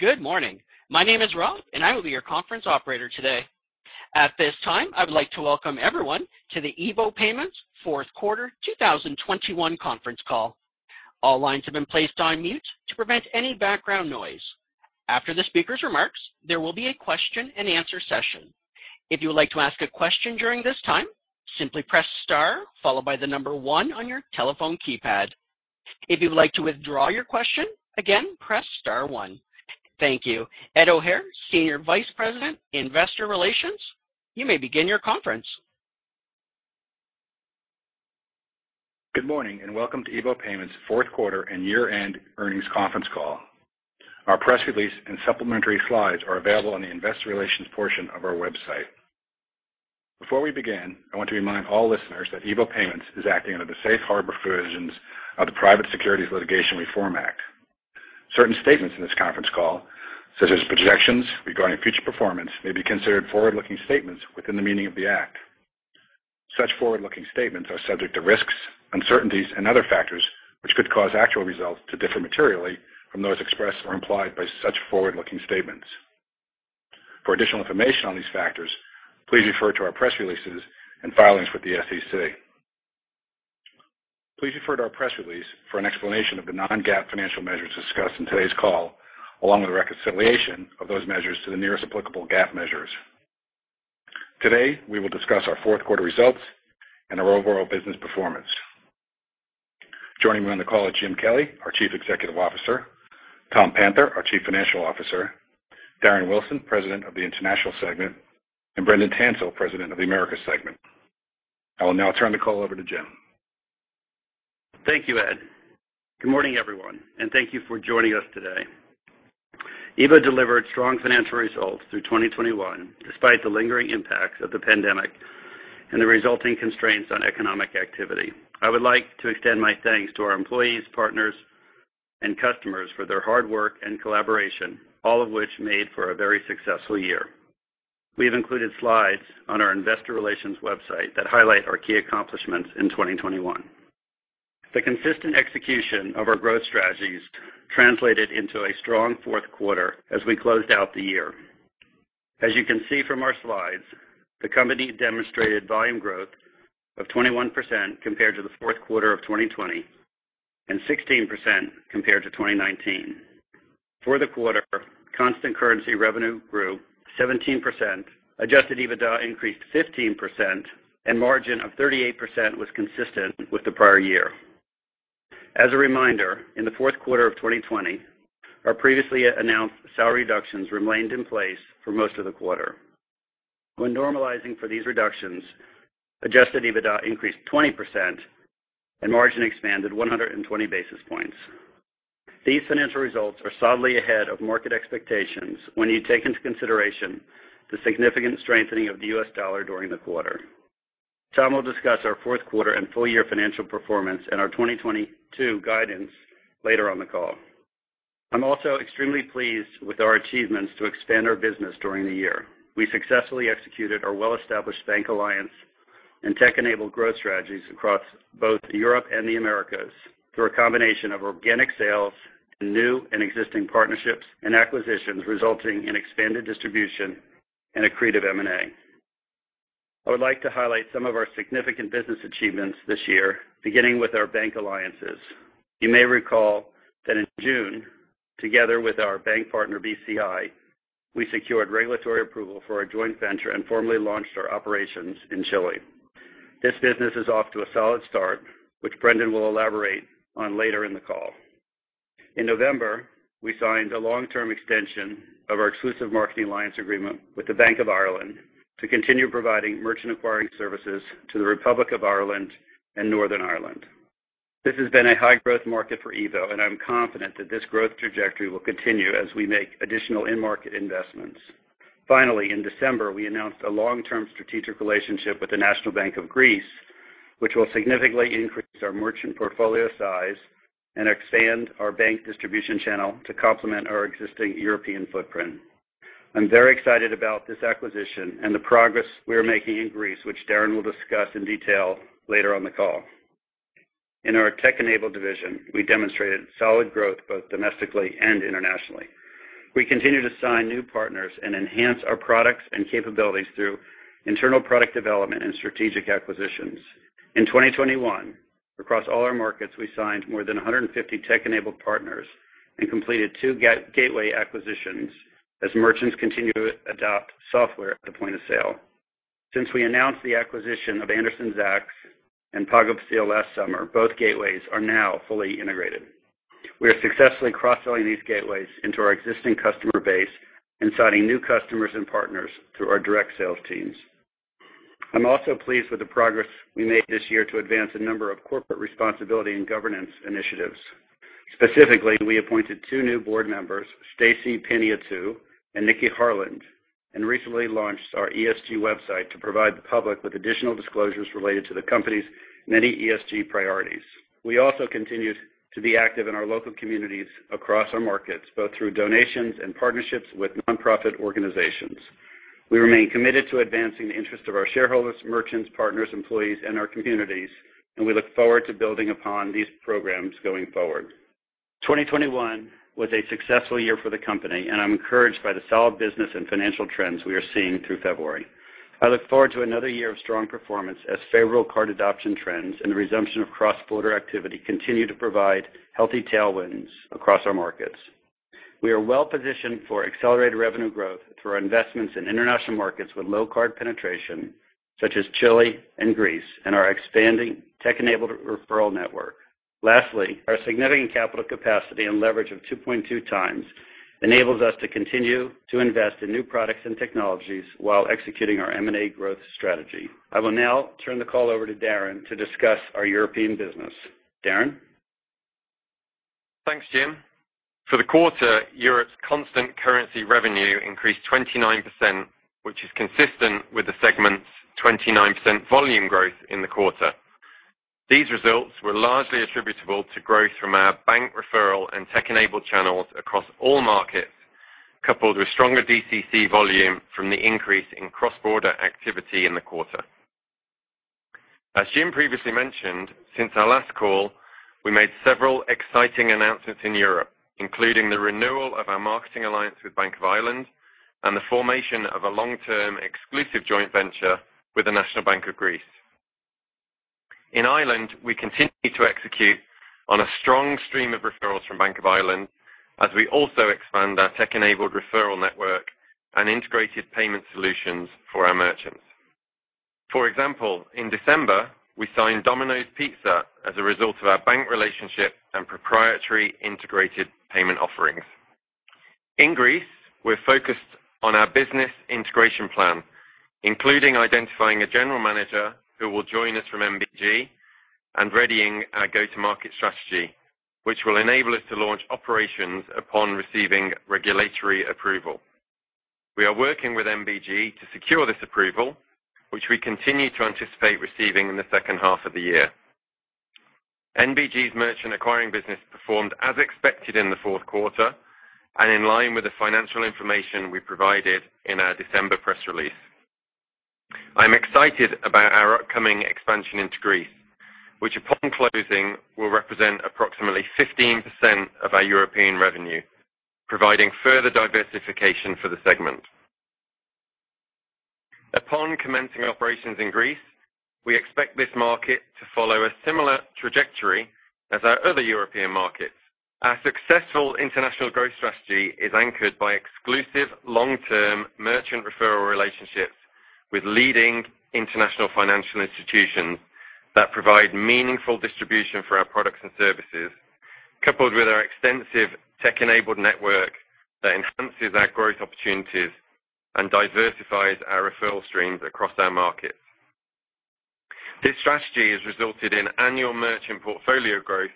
Good morning. My name is Rob, and I will be your conference operator today. At this time, I would like to welcome everyone to the EVO Payments fourth quarter 2021 conference call. All lines have been placed on mute to prevent any background noise. After the speaker's remarks, there will be a question-and-answer session. If you would like to ask a question during this time, simply press star followed by the number one on your telephone keypad. If you'd like to withdraw your question, again, press star one. Thank you. Ed O'Hare, Senior Vice President, Investor Relations, you may begin your conference. Good morning and welcome to EVO Payments fourth quarter and year-end earnings conference call. Our press release and supplementary slides are available on the investor relations portion of our website. Before we begin, I want to remind all listeners that EVO Payments is acting under the safe harbor provisions of the Private Securities Litigation Reform Act. Certain statements in this conference call, such as projections regarding future performance, may be considered forward-looking statements within the meaning of the Act. Such forward-looking statements are subject to risks, uncertainties, and other factors which could cause actual results to differ materially from those expressed or implied by such forward-looking statements. For additional information on these factors, please refer to our press releases and filings with the SEC. Please refer to our press release for an explanation of the non-GAAP financial measures discussed in today's call, along with the reconciliation of those measures to the nearest applicable GAAP measures. Today, we will discuss our fourth quarter results and our overall business performance. Joining me on the call is Jim Kelly, our Chief Executive Officer, Tom Panther, our Chief Financial Officer, Darren Wilson, President of the International Segment, and Brendan Tansill, President of the Americas Segment. I will now turn the call over to Jim. Thank you, Ed. Good morning, everyone, and thank you for joining us today. EVO delivered strong financial results through 2021 despite the lingering impacts of the pandemic and the resulting constraints on economic activity. I would like to extend my thanks to our employees, partners, and customers for their hard work and collaboration, all of which made for a very successful year. We have included slides on our investor relations website that highlight our key accomplishments in 2021. The consistent execution of our growth strategies translated into a strong fourth quarter as we closed out the year. As you can see from our slides, the company demonstrated volume growth of 21% compared to the fourth quarter of 2020 and 16% compared to 2019. For the quarter, constant currency revenue grew 17%, adjusted EBITDA increased 15%, and margin of 38% was consistent with the prior year. As a reminder, in the fourth quarter of 2020, our previously announced salary reductions remained in place for most of the quarter. When normalizing for these reductions, adjusted EBITDA increased 20% and margin expanded 120 basis points. These financial results are solidly ahead of market expectations when you take into consideration the significant strengthening of the US dollar during the quarter. Tom will discuss our fourth quarter and full-year financial performance and our 2022 guidance later on the call. I'm also extremely pleased with our achievements to expand our business during the year. We successfully executed our well-established bank alliance and tech-enabled growth strategies across both Europe and the Americas through a combination of organic sales, new and existing partnerships, and acquisitions resulting in expanded distribution and accretive M&A. I would like to highlight some of our significant business achievements this year, beginning with our bank alliances. You may recall that in June, together with our bank partner, BCI, we secured regulatory approval for our joint venture and formally launched our operations in Chile. This business is off to a solid start, which Brendan will elaborate on later in the call. In November, we signed a long-term extension of our exclusive marketing alliance agreement with the Bank of Ireland to continue providing merchant acquiring services to the Republic of Ireland and Northern Ireland. This has been a high-growth market for EVO, and I'm confident that this growth trajectory will continue as we make additional in-market investments. Finally, in December, we announced a long-term strategic relationship with the National Bank of Greece, which will significantly increase our merchant portfolio size and expand our bank distribution channel to complement our existing European footprint. I'm very excited about this acquisition and the progress we are making in Greece, which Darren will discuss in detail later on the call. In our tech-enabled division, we demonstrated solid growth both domestically and internationally. We continue to sign new partners and enhance our products and capabilities through internal product development and strategic acquisitions. In 2021, across all our markets, we signed more than 150 tech-enabled partners and completed two gateway acquisitions as merchants continue to adopt software at the point of sale. Since we announced the acquisition of Anderson Zaks and PagoFácil last summer, both gateways are now fully integrated. We are successfully cross-selling these gateways into our existing customer base and signing new customers and partners through our direct sales teams. I'm also pleased with the progress we made this year to advance a number of corporate responsibility and governance initiatives. Specifically, we appointed two new board members, Stacey Valy Panayiotou and Nikki Harland, and recently launched our ESG website to provide the public with additional disclosures related to the company's many ESG priorities. We also continued to be active in our local communities across our markets, both through donations and partnerships with nonprofit organizations. We remain committed to advancing the interest of our shareholders, merchants, partners, employees, and our communities, and we look forward to building upon these programs going forward. 2021 was a successful year for the company, and I'm encouraged by the solid business and financial trends we are seeing through February. I look forward to another year of strong performance as favorable card adoption trends and the resumption of cross-border activity continue to provide healthy tailwinds across our markets. We are well-positioned for accelerated revenue growth through our investments in international markets with low card penetration, such as Chile and Greece, and our expanding tech-enabled referral network. Lastly, our significant capital capacity and leverage of 2.2 times enables us to continue to invest in new products and technologies while executing our M&A growth strategy. I will now turn the call over to Darren to discuss our European business. Darren? Thanks, Jim. For the quarter, Europe's constant currency revenue increased 29%, which is consistent with the segment's 29% volume growth in the quarter. These results were largely attributable to growth from our bank referral and tech-enabled channels across all markets, coupled with stronger DCC volume from the increase in cross-border activity in the quarter. As Jim previously mentioned, since our last call, we made several exciting announcements in Europe, including the renewal of our marketing alliance with Bank of Ireland and the formation of a long-term exclusive joint venture with the National Bank of Greece. In Ireland, we continue to execute on a strong stream of referrals from Bank of Ireland as we also expand our tech-enabled referral network and integrated payment solutions for our merchants. For example, in December, we signed Domino's Pizza as a result of our bank relationship and proprietary integrated payment offerings. In Greece, we're focused on our business integration plan, including identifying a general manager who will join us from NBG and readying our go-to-market strategy, which will enable us to launch operations upon receiving regulatory approval. We are working with NBG to secure this approval, which we continue to anticipate receiving in the second half of the year. NBG's merchant acquiring business performed as expected in the fourth quarter and in line with the financial information we provided in our December press release. I'm excited about our upcoming expansion into Greece, which upon closing, will represent approximately 15% of our European revenue, providing further diversification for the segment. Upon commencing operations in Greece, we expect this market to follow a similar trajectory as our other European markets. Our successful international growth strategy is anchored by exclusive long-term merchant referral relationships with leading international financial institutions that provide meaningful distribution for our products and services, coupled with our extensive tech-enabled network that enhances our growth opportunities and diversifies our referral streams across our markets. This strategy has resulted in annual merchant portfolio growth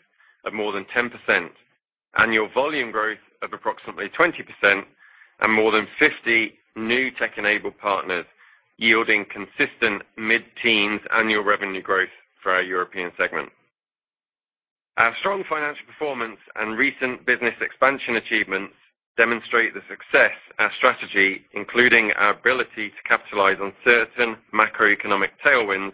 of more than 10%, annual volume growth of approximately 20%, and more than 50 new tech-enabled partners, yielding consistent mid-teens% annual revenue growth for our European segment. Our strong financial performance and recent business expansion achievements demonstrate the success of our strategy, including our ability to capitalize on certain macroeconomic tailwinds,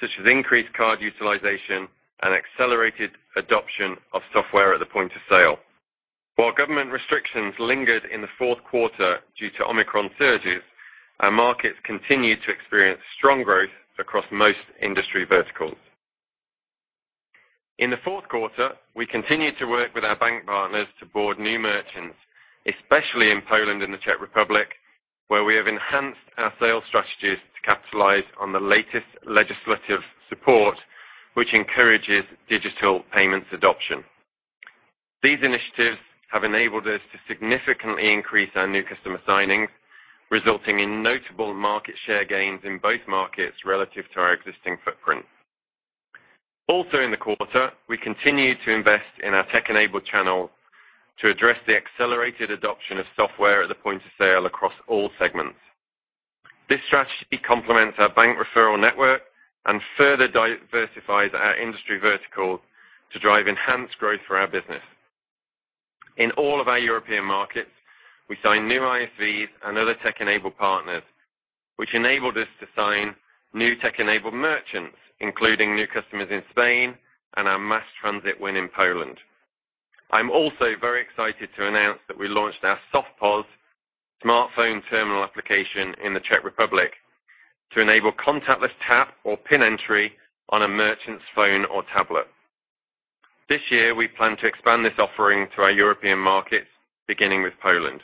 such as increased card utilization and accelerated adoption of software at the point of sale. While government restrictions lingered in the fourth quarter due to Omicron surges, our markets continued to experience strong growth across most industry verticals. In the fourth quarter, we continued to work with our bank partners to board new merchants, especially in Poland and the Czech Republic, where we have enhanced our sales strategies to capitalize on the latest legislative support, which encourages digital payments adoption. These initiatives have enabled us to significantly increase our new customer signings, resulting in notable market share gains in both markets relative to our existing footprint. Also in the quarter, we continued to invest in our tech-enabled channel to address the accelerated adoption of software at the point of sale across all segments. This strategy complements our bank referral network and further diversifies our industry vertical to drive enhanced growth for our business. In all of our European markets, we signed new ISVs and other tech-enabled partners, which enabled us to sign new tech-enabled merchants, including new customers in Spain and our mass transit win in Poland. I'm also very excited to announce that we launched our SoftPOS smartphone terminal application in the Czech Republic to enable contactless tap or PIN entry on a merchant's phone or tablet. This year, we plan to expand this offering to our European markets, beginning with Poland.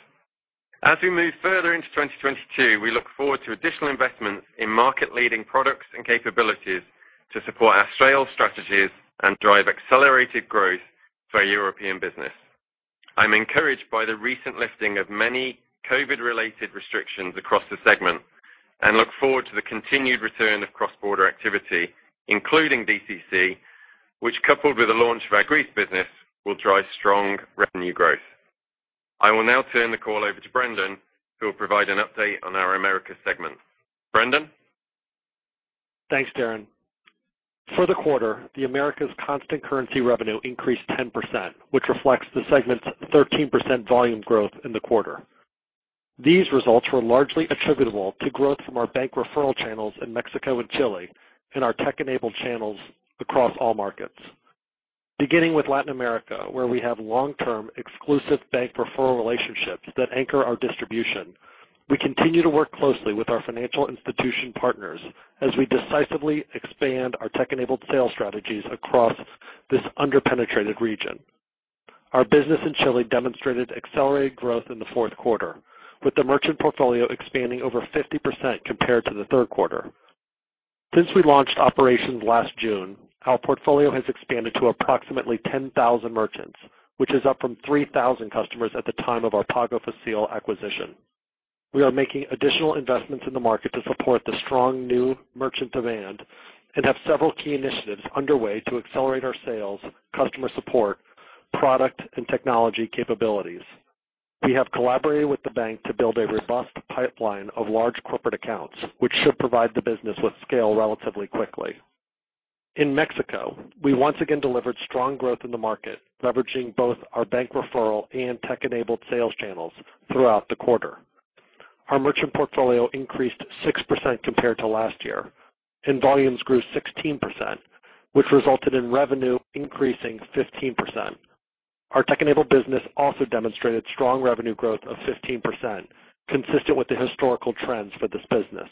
As we move further into 2022, we look forward to additional investments in market-leading products and capabilities to support our sales strategies and drive accelerated growth for our European business. I'm encouraged by the recent lifting of many COVID-related restrictions across the segment and look forward to the continued return of cross-border activity, including DCC, which, coupled with the launch of our Greece business, will drive strong revenue growth. I will now turn the call over to Brendan, who will provide an update on our Americas segment. Brendan? Thanks, Darren. For the quarter, the Americas' constant currency revenue increased 10%, which reflects the segment's 13% volume growth in the quarter. These results were largely attributable to growth from our bank referral channels in Mexico and Chile and our tech-enabled channels across all markets. Beginning with Latin America, where we have long-term exclusive bank referral relationships that anchor our distribution, we continue to work closely with our financial institution partners as we decisively expand our tech-enabled sales strategies across this under-penetrated region. Our business in Chile demonstrated accelerated growth in the fourth quarter, with the merchant portfolio expanding over 50% compared to the third quarter. Since we launched operations last June, our portfolio has expanded to approximately 10,000 merchants, which is up from 3,000 customers at the time of our Pago Fácil acquisition. We are making additional investments in the market to support the strong new merchant demand and have several key initiatives underway to accelerate our sales, customer support, product, and technology capabilities. We have collaborated with the bank to build a robust pipeline of large corporate accounts, which should provide the business with scale relatively quickly. In Mexico, we once again delivered strong growth in the market, leveraging both our bank referral and tech-enabled sales channels throughout the quarter. Our merchant portfolio increased 6% compared to last year, and volumes grew 16%, which resulted in revenue increasing 15%. Our tech-enabled business also demonstrated strong revenue growth of 15%, consistent with the historical trends for this business.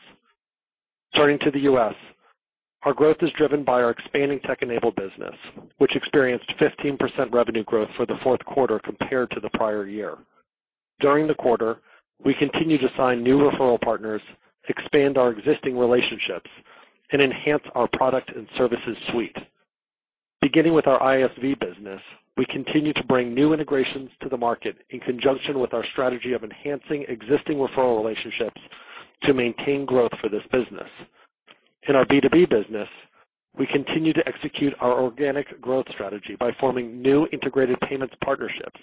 Turning to the U.S., our growth is driven by our expanding tech-enabled business, which experienced 15% revenue growth for the fourth quarter compared to the prior year. During the quarter, we continued to sign new referral partners, expand our existing relationships, and enhance our product and services suite. Beginning with our ISV business, we continue to bring new integrations to the market in conjunction with our strategy of enhancing existing referral relationships to maintain growth for this business. In our B2B business, we continue to execute our organic growth strategy by forming new integrated payments partnerships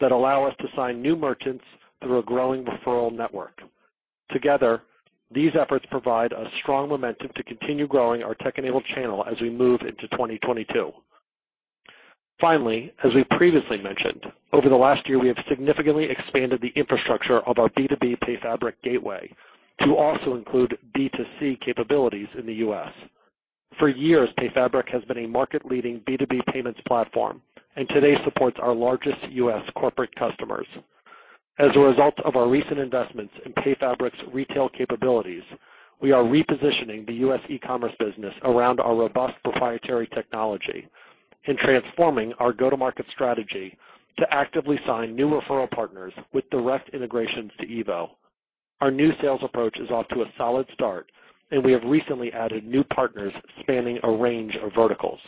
that allow us to sign new merchants through a growing referral network. Together, these efforts provide a strong momentum to continue growing our tech-enabled channel as we move into 2022. Finally, as we previously mentioned, over the last year, we have significantly expanded the infrastructure of our B2B PayFabric gateway to also include B2C capabilities in the U.S. For years, PayFabric has been a market-leading B2B payments platform and today supports our largest U.S. corporate customers. As a result of our recent investments in PayFabric's retail capabilities, we are repositioning the U.S. e-commerce business around our robust proprietary technology and transforming our go-to-market strategy to actively sign new referral partners with direct integrations to EVO. Our new sales approach is off to a solid start, and we have recently added new partners spanning a range of verticals.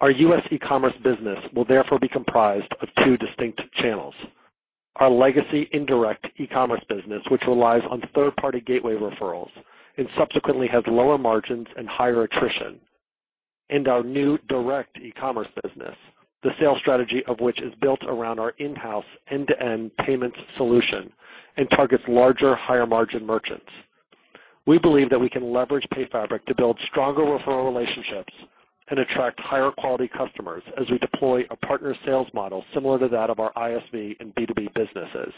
Our U.S. e-commerce business will therefore be comprised of two distinct channels, our legacy indirect e-commerce business, which relies on third-party gateway referrals and subsequently has lower margins and higher attrition, our new direct e-commerce business, the sales strategy of which is built around our in-house end-to-end payments solution and targets larger, higher-margin merchants. We believe that we can leverage PayFabric to build stronger referral relationships and attract higher quality customers as we deploy a partner sales model similar to that of our ISV and B2B businesses.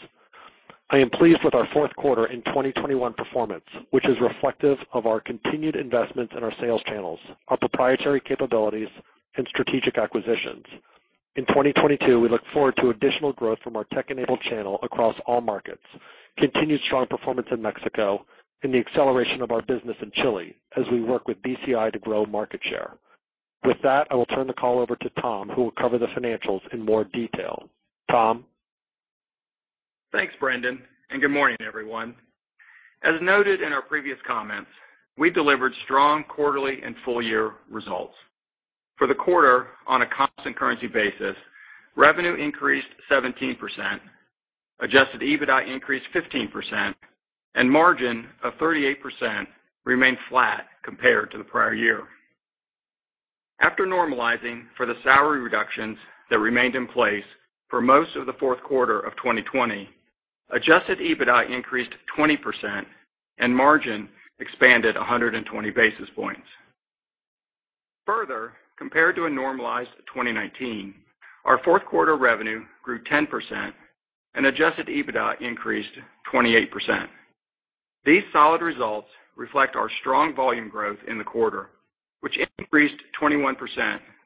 I am pleased with our fourth quarter in 2021 performance, which is reflective of our continued investments in our sales channels, our proprietary capabilities, and strategic acquisitions. In 2022, we look forward to additional growth from our tech-enabled channel across all markets, continued strong performance in Mexico, and the acceleration of our business in Chile as we work with BCI to grow market share. With that, I will turn the call over to Tom, who will cover the financials in more detail. Tom? Thanks, Brendan, and good morning, everyone. As noted in our previous comments, we delivered strong quarterly and full year results. For the quarter, on a constant currency basis, revenue increased 17%, adjusted EBITDA increased 15%, and margin of 38% remained flat compared to the prior year. After normalizing for the salary reductions that remained in place for most of the fourth quarter of 2020, adjusted EBITDA increased 20% and margin expanded 120 basis points. Further, compared to a normalized 2019, our fourth quarter revenue grew 10% and adjusted EBITDA increased 28%. These solid results reflect our strong volume growth in the quarter, which increased 21%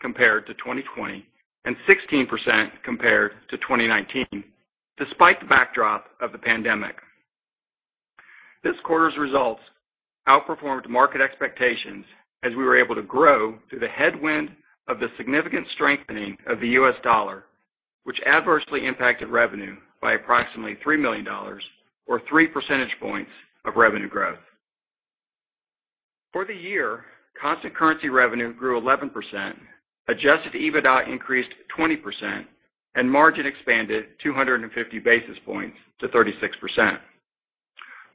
compared to 2020 and 16% compared to 2019, despite the backdrop of the pandemic. This quarter's results outperformed market expectations as we were able to grow through the headwind of the significant strengthening of the U.S. dollar, which adversely impacted revenue by approximately $3 million or 3 percentage points of revenue growth. For the year, constant currency revenue grew 11%, adjusted EBITDA increased 20%, and margin expanded 250 basis points to 36%.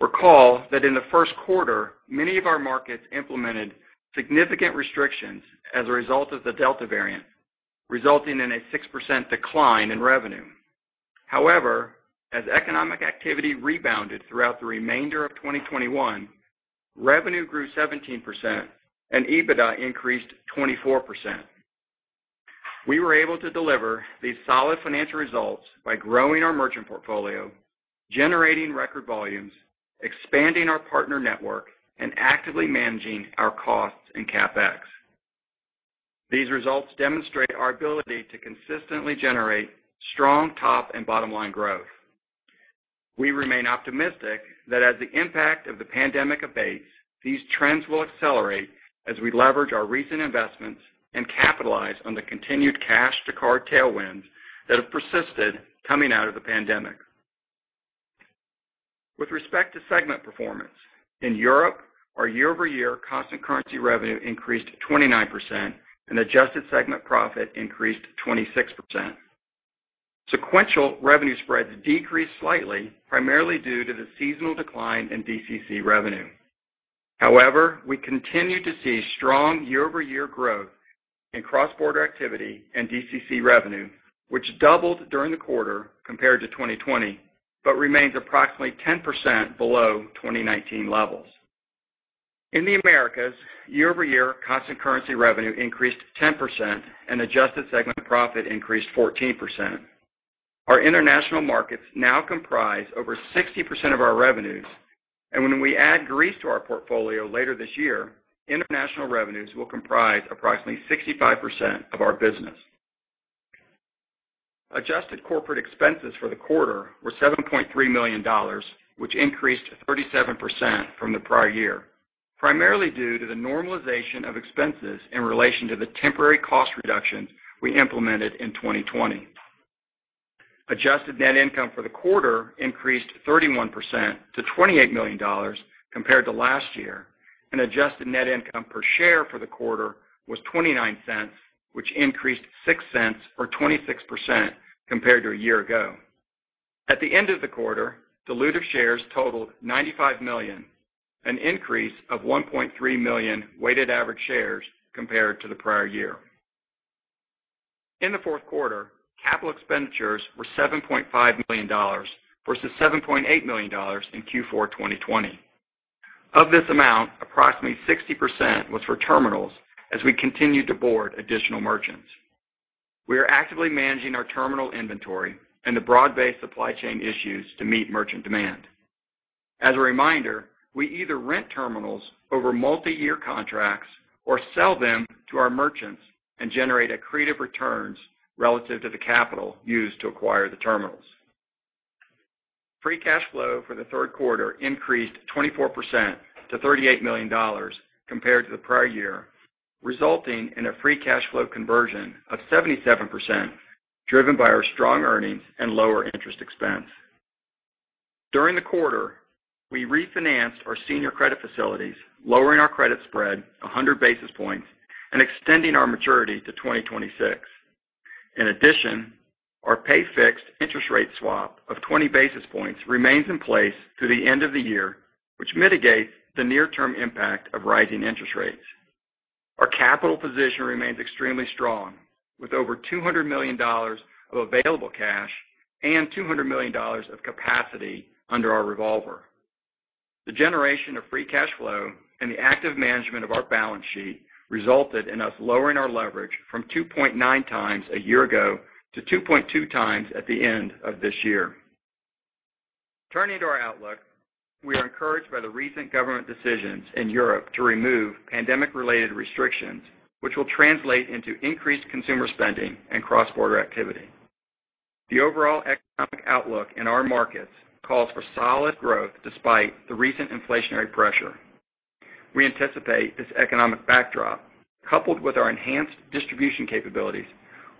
Recall that in the first quarter, many of our markets implemented significant restrictions as a result of the Delta variant, resulting in a 6% decline in revenue. As economic activity rebounded throughout the remainder of 2021, revenue grew 17% and EBITDA increased 24%. We were able to deliver these solid financial results by growing our merchant portfolio, generating record volumes, expanding our partner network, and actively managing our costs and CapEx. These results demonstrate our ability to consistently generate strong top and bottom line growth. We remain optimistic that as the impact of the pandemic abates, these trends will accelerate as we leverage our recent investments and capitalize on the continued cash to card tailwinds that have persisted coming out of the pandemic. With respect to segment performance, in Europe, our year-over-year constant currency revenue increased 29% and adjusted segment profit increased 26%. Sequential revenue spreads decreased slightly, primarily due to the seasonal decline in DCC revenue. However, we continue to see strong year-over-year growth in cross-border activity and DCC revenue, which doubled during the quarter compared to 2020 but remains approximately 10% below 2019 levels. In the Americas, year-over-year constant currency revenue increased 10% and adjusted segment profit increased 14%. Our international markets now comprise over 60% of our revenues, and when we add Greece to our portfolio later this year, international revenues will comprise approximately 65% of our business. Adjusted corporate expenses for the quarter were $7.3 million, which increased 37% from the prior year, primarily due to the normalization of expenses in relation to the temporary cost reductions we implemented in 2020. Adjusted net income for the quarter increased 31% to $28 million compared to last year, and adjusted net income per share for the quarter was $0.29, which increased $0.06 or 26% compared to a year ago. At the end of the quarter, dilutive shares totaled 95 million, an increase of 1.3 million weighted average shares compared to the prior year. In the fourth quarter, capital expenditures were $7.5 million versus $7.8 million in Q4 2020. Of this amount, approximately 60% was for terminals as we continued to board additional merchants. We are actively managing our terminal inventory and the broad-based supply chain issues to meet merchant demand. As a reminder, we either rent terminals over multiyear contracts or sell them to our merchants and generate accretive returns relative to the capital used to acquire the terminals. Free cash flow for the third quarter increased 24% to $38 million compared to the prior year, resulting in a free cash flow conversion of 77%, driven by our strong earnings and lower interest expense. During the quarter, we refinanced our senior credit facilities, lowering our credit spread 100 basis points and extending our maturity to 2026. In addition, our pay fixed interest rate swap of 20 basis points remains in place through the end of the year, which mitigates the near-term impact of rising interest rates. Our capital position remains extremely strong, with over $200 million of available cash and $200 million of capacity under our revolver. The generation of free cash flow and the active management of our balance sheet resulted in us lowering our leverage from 2.9 times a year ago to 2.2 times at the end of this year. Turning to our outlook, we are encouraged by the recent government decisions in Europe to remove pandemic-related restrictions, which will translate into increased consumer spending and cross-border activity. The overall economic outlook in our markets calls for solid growth despite the recent inflationary pressure. We anticipate this economic backdrop, coupled with our enhanced distribution capabilities,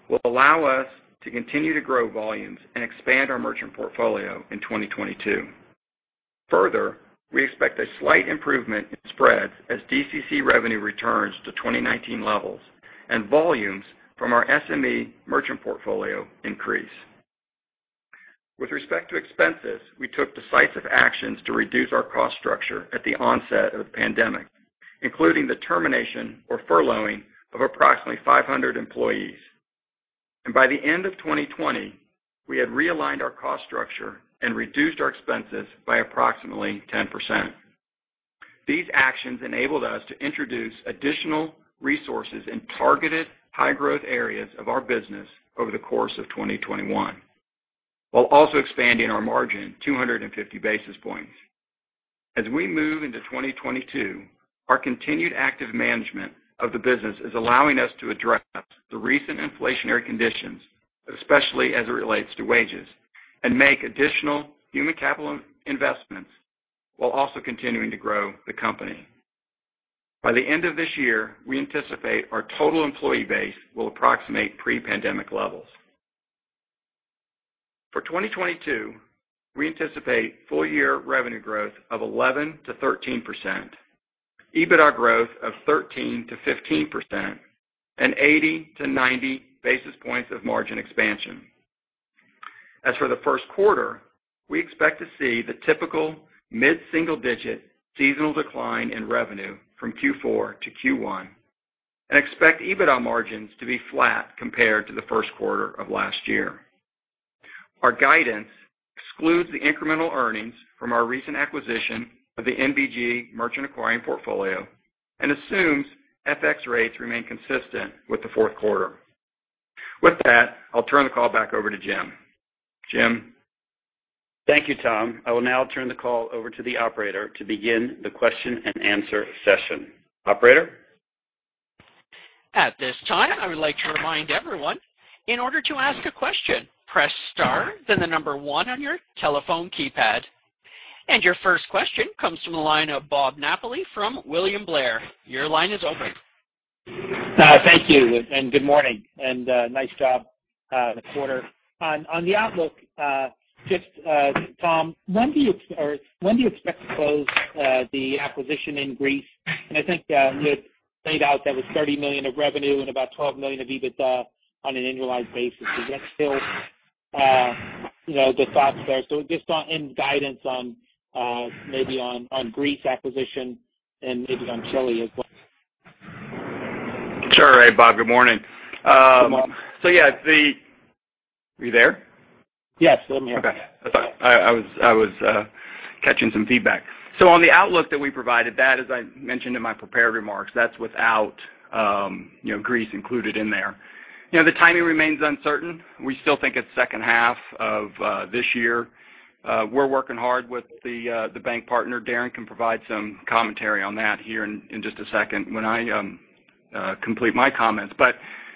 will allow us to continue to grow volumes and expand our merchant portfolio in 2022. Further, we expect a slight improvement in spreads as DCC revenue returns to 2019 levels and volumes from our SME merchant portfolio increase. With respect to expenses, we took decisive actions to reduce our cost structure at the onset of the pandemic, including the termination or furloughing of approximately 500 employees. By the end of 2020, we had realigned our cost structure and reduced our expenses by approximately 10%. These actions enabled us to introduce additional resources in targeted high-growth areas of our business over the course of 2021, while also expanding our margin 250 basis points. As we move into 2022, our continued active management of the business is allowing us to address the recent inflationary conditions, especially as it relates to wages, and make additional human capital investments while also continuing to grow the company. By the end of this year, we anticipate our total employee base will approximate pre-pandemic levels. For 2022, we anticipate full year revenue growth of 11%-13%, EBITDA growth of 13%-15%, and 80-90 basis points of margin expansion. As for the first quarter, we expect to see the typical mid-single-digit seasonal decline in revenue from Q4 to Q1. Expect EBITDA margins to be flat compared to the first quarter of last year. Our guidance excludes the incremental earnings from our recent acquisition of the NBG merchant acquiring portfolio and assumes FX rates remain consistent with the fourth quarter. With that, I'll turn the call back over to Jim. Jim? Thank you, Tom. I will now turn the call over to the operator to begin the question-and-answer session. Operator? At this time, I would like to remind everyone, in order to ask a question, press star then 1 on your telephone keypad. Your first question comes from the line of Bob Napoli from William Blair. Your line is open. Thank you and good morning. Nice job on the quarter. On the outlook, just Tom, when do you expect to close the acquisition in Greece? I think you had laid out that was $30 million of revenue and about $12 million of EBITDA on an annualized basis. Is that still you know the thoughts there? Just any guidance on maybe on the Greece acquisition and maybe on Chile as well. Sure. Bob. Good morning. Good morning. Are you there? Yes, I'm here. Okay. I thought I was catching some feedback. On the outlook that we provided, that, as I mentioned in my prepared remarks, that's without, you know, Greece included in there. You know, the timing remains uncertain. We still think it's second half of this year. We're working hard with the bank partner. Darren can provide some commentary on that in just a second when I complete my comments.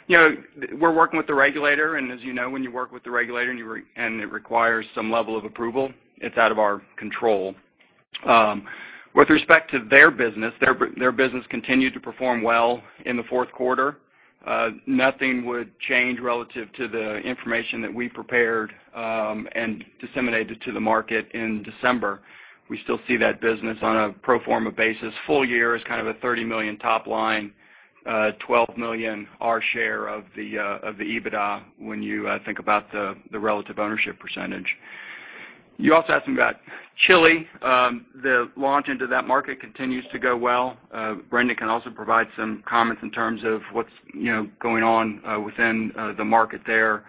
You know, we're working with the regulator, and as you know, when you work with the regulator and it requires some level of approval, it's out of our control. With respect to their business, their business continued to perform well in the fourth quarter. Nothing would change relative to the information that we prepared and disseminated to the market in December. We still see that business on a pro forma basis. Full year is kind of a $30 million top line, $12 million our share of the EBITDA when you think about the relative ownership percentage. You also asked me about Chile. The launch into that market continues to go well. Brendan can also provide some comments in terms of what's, you know, going on within the market there.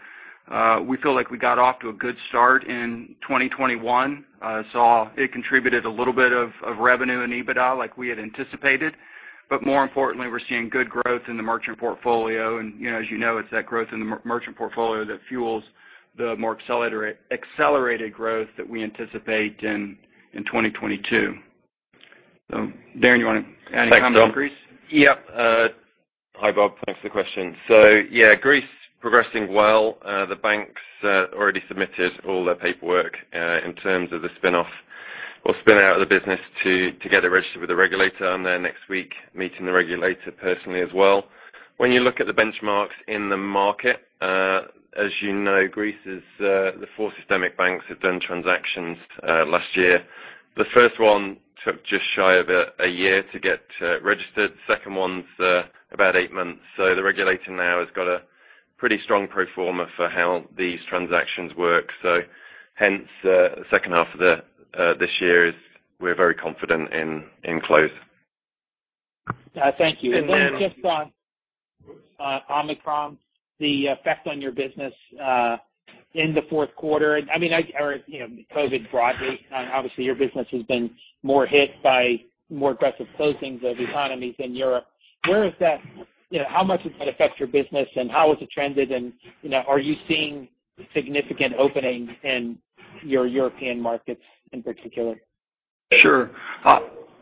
We feel like we got off to a good start in 2021. So it contributed a little bit of revenue and EBITDA like we had anticipated. More importantly, we're seeing good growth in the merchant portfolio. You know, as you know, it's that growth in the merchant portfolio that fuels the more accelerated growth that we anticipate in 2022. So Darren, you wanna add any comment on Greece? Thanks, Tom. Hi, Bob. Thanks for the question. Greece progressing well. The banks already submitted all their paperwork in terms of the spin-off or spin-out of the business to get it registered with the regulator. I'm there next week meeting the regulator personally as well. When you look at the benchmarks in the market, as you know, Greece is the four systemic banks have done transactions last year. The first one took just shy of a year to get registered. Second one's about eight months. The regulator now has got a pretty strong pro forma for how these transactions work. The second half of this year is we're very confident in close. Thank you. And then. Then just on Omicron, the effect on your business in the fourth quarter. I mean, or you know, COVID broadly. Obviously your business has been more hit by more aggressive closings of economies in Europe. Where is that? You know, how much does that affect your business, and how has it trended? You know, are you seeing significant openings in your European markets in particular? Sure.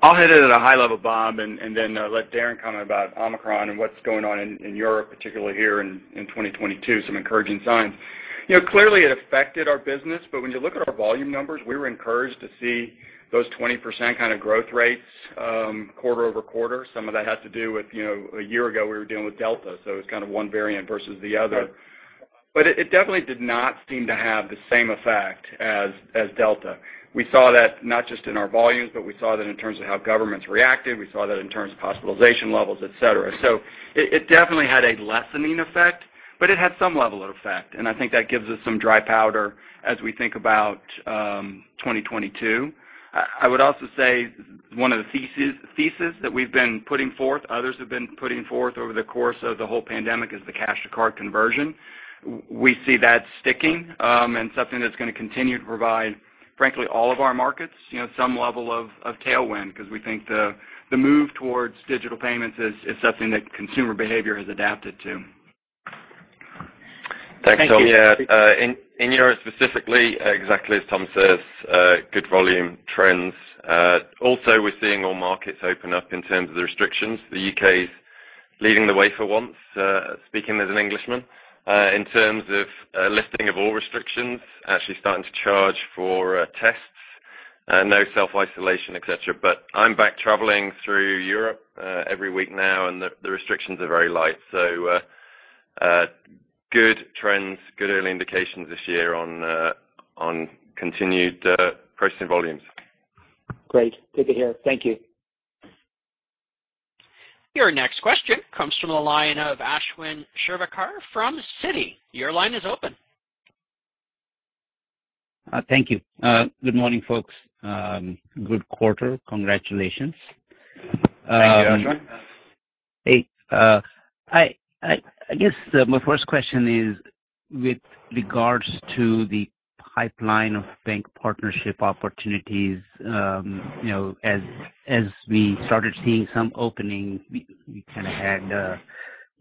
I'll hit it at a high level, Bob, and then let Darren comment about Omicron and what's going on in Europe, particularly here in 2022, some encouraging signs. You know, clearly it affected our business, but when you look at our volume numbers, we were encouraged to see those 20% kind of growth rates, quarter-over-quarter. Some of that has to do with, you know, a year ago we were dealing with Delta, so it was kind of one variant versus the other. Right. It definitely did not seem to have the same effect as Delta. We saw that not just in our volumes, but we saw that in terms of how governments reacted. We saw that in terms of hospitalization levels, et cetera. It definitely had a lessening effect, but it had some level of effect. I think that gives us some dry powder as we think about 2022. I would also say one of the thesis that we've been putting forth, others have been putting forth over the course of the whole pandemic, is the cash to card conversion. We see that sticking, and something that's gonna continue to provide, frankly, all of our markets, you know, some level of tailwind because we think the move towards digital payments is something that consumer behavior has adapted to. Thank you. Thanks, Tom. Yeah. In euro specifically, exactly as Tom says, good volume trends. Also, we're seeing all markets open up in terms of the restrictions. The U.K. is leading the way for once, speaking as an Englishman, in terms of lifting of all restrictions, actually starting to charge for tests, no self-isolation, et cetera. But I'm back traveling through Europe every week now, and the restrictions are very light. Good trends, good early indications this year on continued processing volumes. Great. Good to hear. Thank you. Your next question comes from the line of Ashwin Shirvaikar from Citi. Your line is open. Thank you. Good morning, folks. Good quarter. Congratulations. Thank you, Ashwin. I guess my first question is with regards to the pipeline of bank partnership opportunities, you know, as we started seeing some opening, we kind of had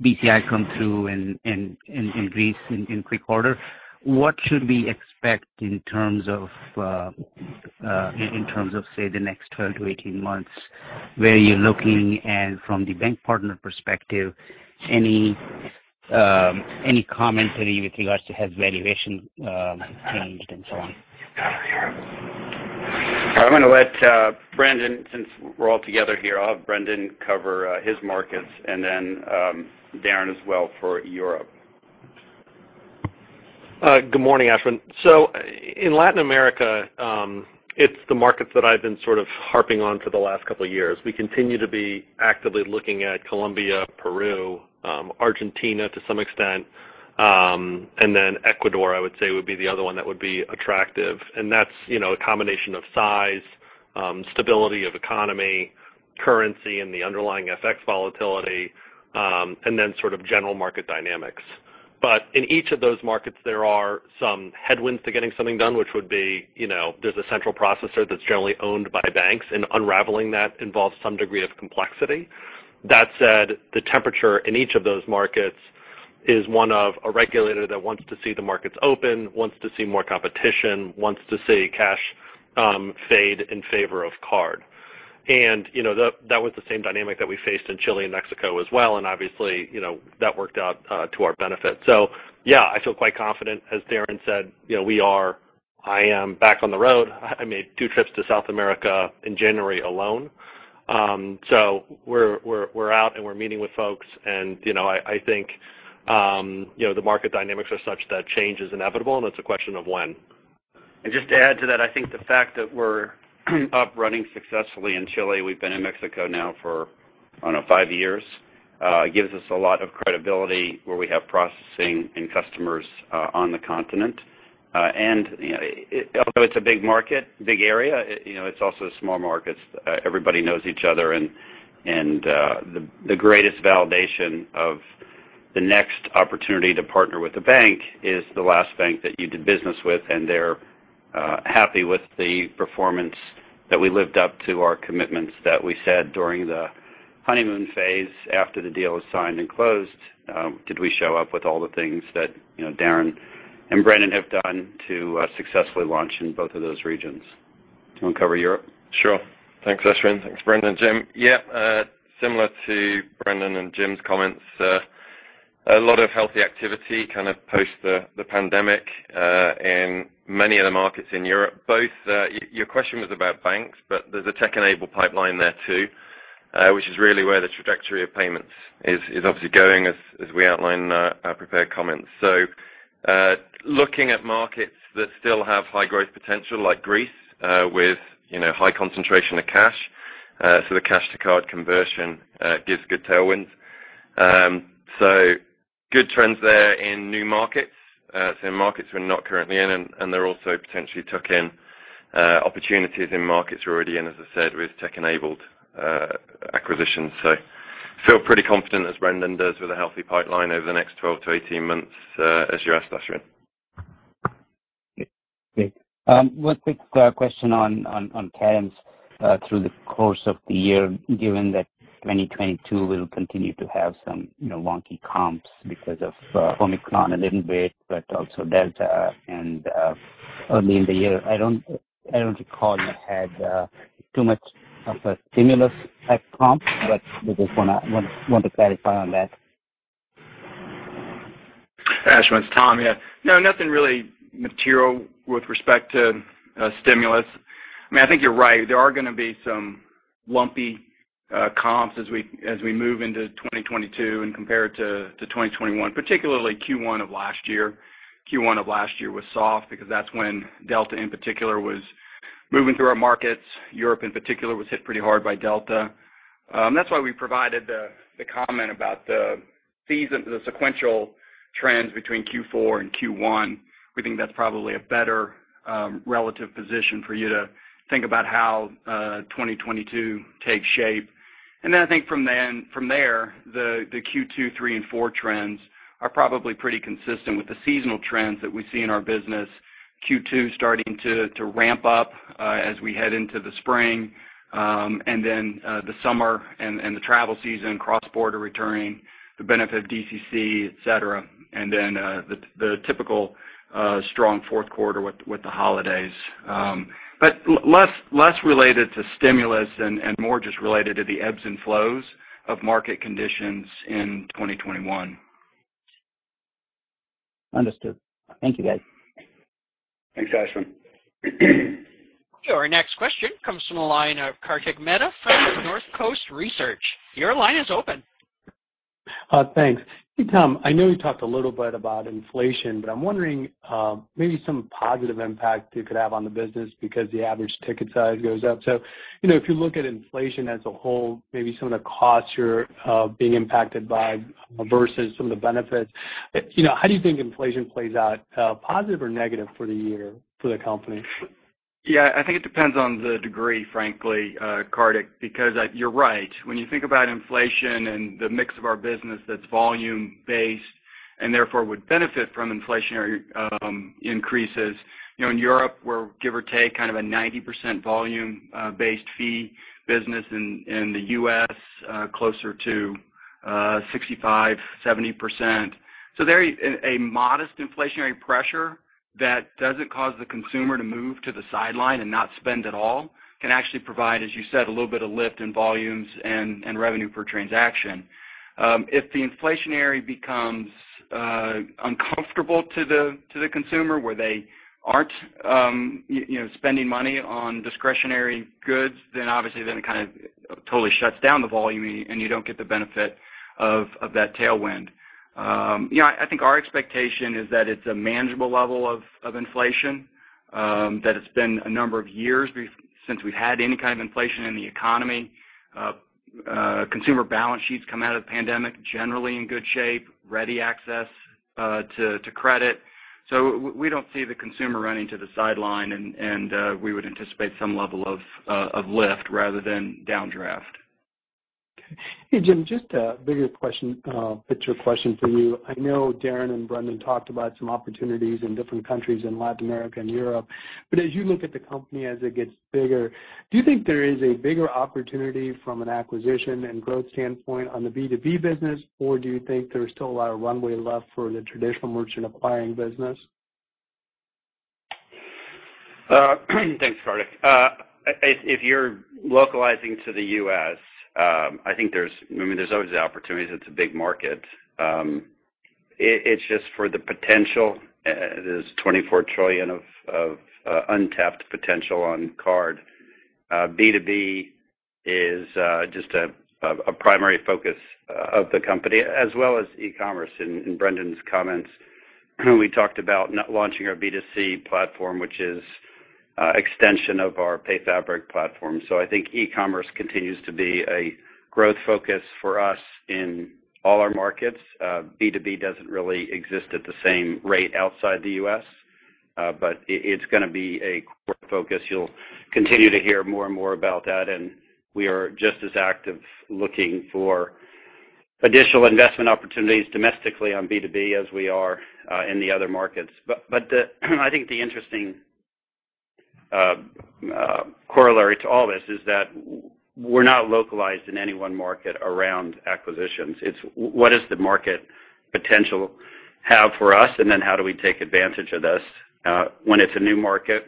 BCI come through and increase in quick order. What should we expect in terms of in terms of say the next 12-18 months, where you're looking and from the bank partner perspective, any commentary with regards to how valuation changed and so on? I'm gonna let Brendan, since we're all together here, I'll have Brendan cover his markets and then Darren as well for Europe. Good morning, Ashwin. In Latin America, it's the markets that I've been sort of harping on for the last couple of years. We continue to be actively looking at Colombia, Peru, Argentina to some extent, and then Ecuador I would say would be the other one that would be attractive. That's, you know, a combination of size, stability of economy, currency and the underlying FX volatility, and then sort of general market dynamics. In each of those markets, there are some headwinds to getting something done, which would be, you know, there's a central processor that's generally owned by banks, and unraveling that involves some degree of complexity. That said, the temperature in each of those markets is one of a regulator that wants to see the markets open, wants to see more competition, wants to see cash fade in favor of card. You know, that was the same dynamic that we faced in Chile and Mexico as well. Obviously, you know, that worked out to our benefit. Yeah, I feel quite confident. As Darren said, you know, I am back on the road. I made two trips to South America in January alone. We're out and we're meeting with folks and, you know, I think, you know, the market dynamics are such that change is inevitable and it's a question of when. Just to add to that, I think the fact that we're up and running successfully in Chile, we've been in Mexico now for, I don't know, five years, gives us a lot of credibility where we have processing and customers on the continent. You know, although it's a big market, big area, you know, it's also small markets. Everybody knows each other. The greatest validation of the next opportunity to partner with a bank is the last bank that you did business with, and they're happy with the performance that we lived up to our commitments that we said during the honeymoon phase after the deal was signed and closed. Did we show up with all the things that, you know, Darren and Brendan have done to successfully launch in both of those regions? You wanna cover Europe? Sure. Thanks, Ashwin. Thanks, Brendan and Jim. Yeah, similar to Brendan and Jim's comments, a lot of healthy activity kind of post the pandemic, in many of the markets in Europe. Both, your question was about banks, but there's a tech-enabled pipeline there too, which is really where the trajectory of payments is obviously going as we outlined in our prepared comments. Looking at markets that still have high growth potential like Greece, with, you know, high concentration of cash, so the cash to card conversion gives good tailwinds. Good trends there in new markets we're not currently in and they're also potentially tuck-in opportunities in markets we're already in, as I said, with tech-enabled acquisitions. We feel pretty confident as Brendan does with a healthy pipeline over the next 12-18 months, as you asked, Ashwin. Great. One quick question on trends through the course of the year, given that 2022 will continue to have some, you know, wonky comps because of Omicron a little bit, but also Delta and early in the year. I don't recall you had too much of a stimulus-type comp, but we just want to clarify on that. Ashwin, it's Tom. Yeah. No, nothing really material with respect to stimulus. I mean, I think you're right. There are gonna be some lumpy comps as we move into 2022 and compare it to 2021, particularly Q1 of last year. Q1 of last year was soft because that's when Delta in particular was moving through our markets. Europe in particular was hit pretty hard by Delta. That's why we provided the comment about the sequential trends between Q4 and Q1. We think that's probably a better relative position for you to think about how 2022 takes shape. I think from there, the Q2, 3 and 4 trends are probably pretty consistent with the seasonal trends that we see in our business. Q2 starting to ramp up as we head into the spring and then the summer and the travel season cross-border returning the benefit of DCC, et cetera, and then the typical strong fourth quarter with the holidays. Less related to stimulus and more just related to the ebbs and flows of market conditions in 2021. Understood. Thank you, guys. Thanks, Ashwin. Our next question comes from the line of Kartik Mehta from Northcoast Research. Your line is open. Thanks. Hey, Tom, I know you talked a little bit about inflation, but I'm wondering, maybe some positive impact it could have on the business because the average ticket size goes up. You know, if you look at inflation as a whole, maybe some of the costs you're being impacted by versus some of the benefits. You know, how do you think inflation plays out, positive or negative for the year for the company? Yeah, I think it depends on the degree, frankly, Kartik, because you're right. When you think about inflation and the mix of our business that's volume-based and therefore would benefit from inflationary increases, you know, in Europe, we're give or take kind of a 90% volume based fee business. In the U.S., closer to 65-70%. A modest inflationary pressure that doesn't cause the consumer to move to the sideline and not spend at all can actually provide, as you said, a little bit of lift in volumes and revenue per transaction. If the inflationary becomes uncomfortable to the consumer where they aren't you know, spending money on discretionary goods, then obviously then it kind of totally shuts down the volume and you don't get the benefit of that tailwind. You know, I think our expectation is that it's a manageable level of inflation, that it's been a number of years since we've had any kind of inflation in the economy. Consumer balance sheets come out of the pandemic generally in good shape, ready access to credit. We don't see the consumer running to the sideline and we would anticipate some level of lift rather than downdraft. Hey, Jim, just a bigger question, picture question for you. I know Darren and Brendan talked about some opportunities in different countries in Latin America and Europe, but as you look at the company as it gets bigger, do you think there is a bigger opportunity from an acquisition and growth standpoint on the B2B business? Or do you think there's still a lot of runway left for the traditional merchant acquiring business? Thanks, Kartik. If you're localizing to the U.S., I think there's—I mean, there's always opportunities, it's a big market. It's just for the potential, there's $24 trillion of untapped potential on card. B2B is just a primary focus of the company as well as e-commerce. In Brendan's comments, we talked about not launching our B2C platform, which is extension of our PayFabric platform. I think e-commerce continues to be a growth focus for us in all our markets. B2B doesn't really exist at the same rate outside the U.S., but it's gonna be a core focus. You'll continue to hear more and more about that, and we are just as active looking for additional investment opportunities domestically on B2B as we are in the other markets. I think the interesting corollary to all this is that we're not localized in any one market around acquisitions. It's what does the market potential have for us, and then how do we take advantage of this? When it's a new market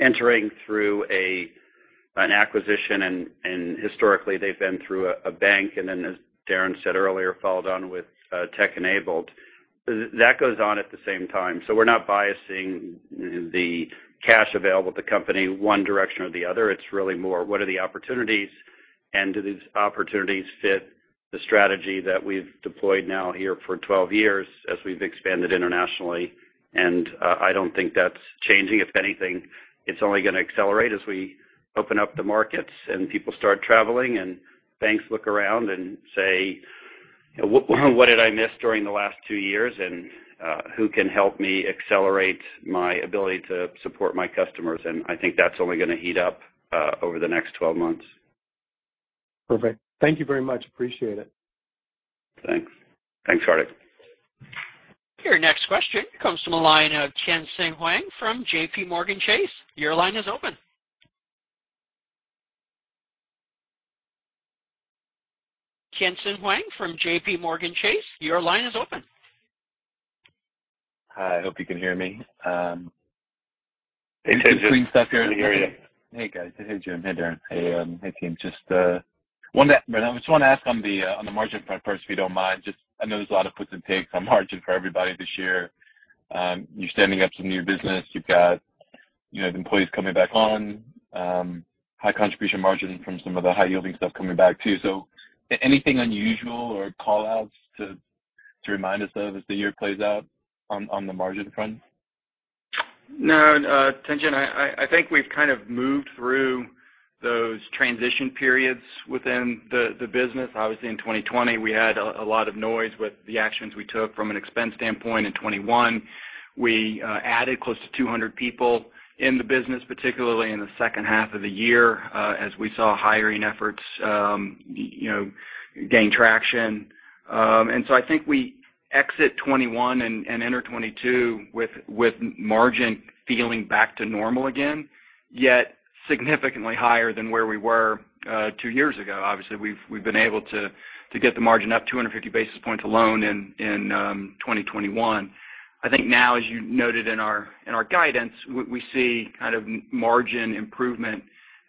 entering through an acquisition and historically they've been through a bank, and then as Darren said earlier, followed on with tech-enabled. That goes on at the same time. We're not biasing the cash available at the company one direction or the other. It's really more, what are the opportunities and do these opportunities fit the strategy that we've deployed now here for 12 years as we've expanded internationally. I don't think that's changing. If anything, it's only gonna accelerate as we open up the markets and people start traveling and banks look around and say, "What did I miss during the last two years and who can help me accelerate my ability to support my customers?" I think that's only gonna heat up over the next 12 months. Perfect. Thank you very much. Appreciate it. Thanks. Thanks, Kartik. Your next question comes from the line of Tien-Tsin Huang from J.P. Morgan. Your line is open. Tien-Tsin Huang from J.P. Morgan, your line is open. Hi, I hope you can hear me. Tien-Tsin. This is Tien-Tsin Huang here. Can hear you. Guys. Jim. Darren.Team. Just I wanna ask on the margin front first, if you don't mind. Just I know there's a lot of puts and takes on margin for everybody this year. You're standing up some new business. You've got, you know, the employees coming back on. High contribution margin from some of the high-yielding stuff coming back too. Anything unusual or call-outs to remind us of as the year plays out on the margin front? No, Tien-Tsin Huang, I think we've kind of moved through those transition periods within the business. Obviously, in 2020 we had a lot of noise with the actions we took from an expense standpoint. In 2021, we added close to 200 people in the business, particularly in the second half of the year, as we saw hiring efforts, you know, gain traction. I think we exit 2021 and enter 2022 with margin feeling back to normal again, yet significantly higher than where we were two years ago. Obviously, we've been able to get the margin up 250 basis points alone in 2021. I think now, as you noted in our guidance, we see kind of margin improvement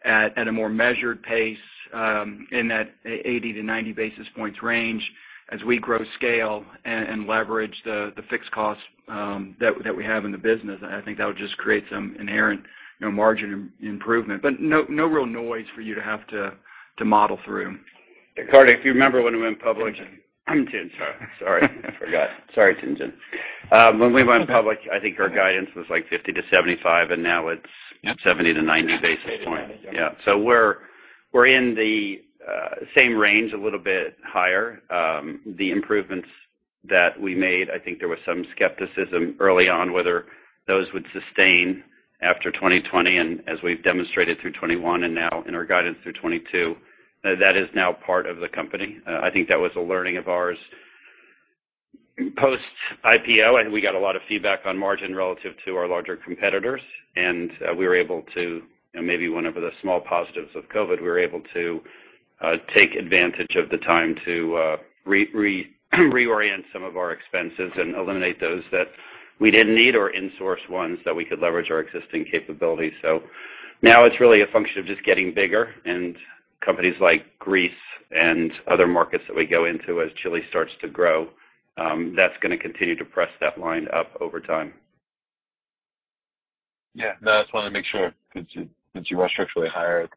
at a more measured pace, in that 80-90 basis points range as we grow scale and leverage the fixed costs that we have in the business. I think that would just create some inherent, you know, margin improvement. No real noise for you to have to model through. Kartik, if you remember when we went public. Tien-Tsin. Tien-Tsin, sorry. Sorry. I forgot. Sorry, Tien-Tsin. When we went public, I think our guidance was like 50-75, and now it's 70-90 basis points. Yeah. We're in the same range, a little bit higher. The improvements that we made, I think there was some skepticism early on whether those would sustain after 2020. As we've demonstrated through 2021 and now in our guidance through 2022, that is now part of the company. I think that was a learning of ours post-IPO, and we got a lot of feedback on margin relative to our larger competitors. you know, maybe one of the small positives of COVID, we were able to take advantage of the time to reorient some of our expenses and eliminate those that we didn't need or insource ones that we could leverage our existing capabilities. Now it's really a function of just getting bigger. Companies like Greece and other markets that we go into as Chile starts to grow, that's gonna continue to press that line up over time. Yeah. No, I just wanted to make sure since you are structurally higher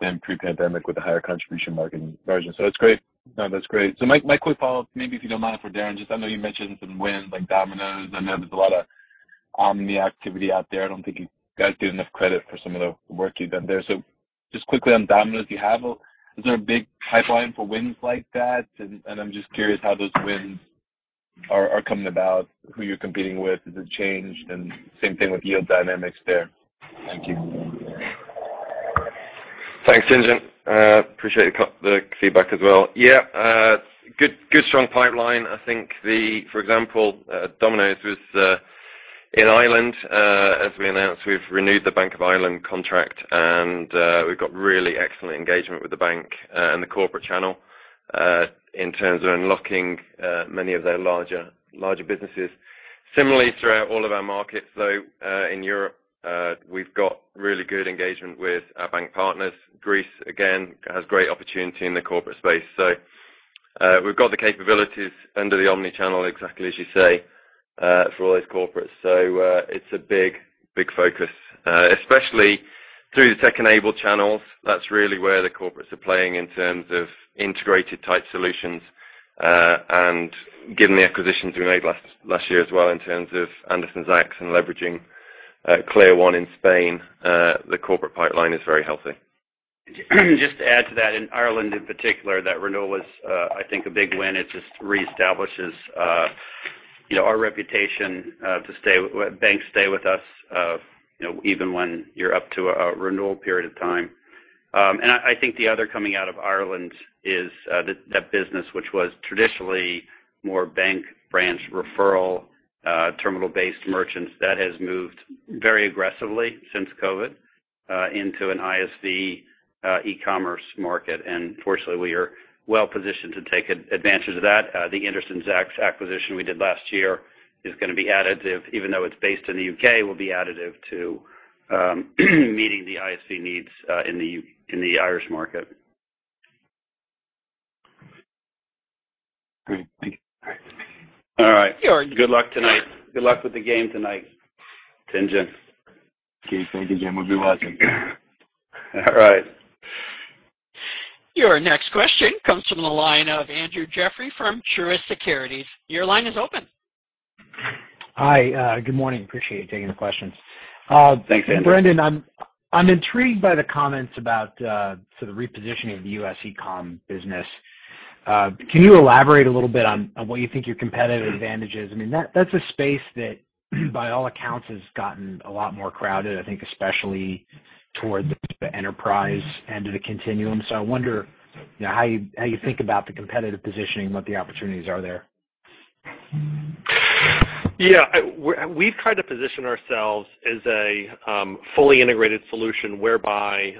than pre-pandemic with the higher contribution margin. That's great. No, that's great. My quick follow-up, maybe if you don't mind for Darren, just I know you mentioned some wins like Domino's. I know there's a lot of omni activity out there. I don't think you guys get enough credit for some of the work you've done there. Just quickly on Domino's, is there a big pipeline for wins like that? And I'm just curious how those wins are coming about, who you're competing with. Has it changed? Same thing with yield dynamics there. Thank you. Thanks, Tien-Tsin Huang. Appreciate the feedback as well. Yeah, good strong pipeline. I think for example, Domino's in Ireland, as we announced, we've renewed the Bank of Ireland contract, and we've got really excellent engagement with the bank and the corporate channel in terms of unlocking many of their larger businesses. Similarly, throughout all of our markets, though, in Europe, we've got really good engagement with our bank partners. Greece again has great opportunity in the corporate space. We've got the capabilities under the omnichannel, exactly as you say, for all these corporates. It's a big focus, especially through the tech-enabled channels. That's really where the corporates are playing in terms of integrated type solutions. Given the acquisitions we made last year as well, in terms of Anderson Zaks and leveraging ClearONE in Spain, the corporate pipeline is very healthy. Just to add to that, in Ireland in particular, that renewal was, I think a big win. It just reestablishes, you know, our reputation, banks stay with us, you know, even when you're up to a renewal period of time. I think the other thing coming out of Ireland is, that business which was traditionally more bank branch referral, terminal-based merchants. That has moved very aggressively since COVID, into an ISV, e-commerce market. Fortunately, we are well positioned to take advantages of that. The Anderson Zaks acquisition we did last year is gonna be additive, even though it's based in the U.K., will be additive to, meeting the ISV needs, in the Irish market. Great. Thank you. All right. All right. Good luck tonight. Good luck with the game tonight, Tien-Tsin Huang. Okay. Thank you. Jim will be watching. All right. Your next question comes from the line of Andrew Jeffrey from Truist Securities. Your line is open. Hi. Good morning. Appreciate you taking the questions. Thanks, Andrew. Brendan, I'm intrigued by the comments about sort of repositioning the U.S. e-com business. Can you elaborate a little bit on what you think your competitive advantage is? I mean, that's a space that by all accounts has gotten a lot more crowded, I think especially towards the enterprise end of the continuum. I wonder, you know, how you think about the competitive positioning and what the opportunities are there. Yeah. We've tried to position ourselves as a fully integrated solution whereby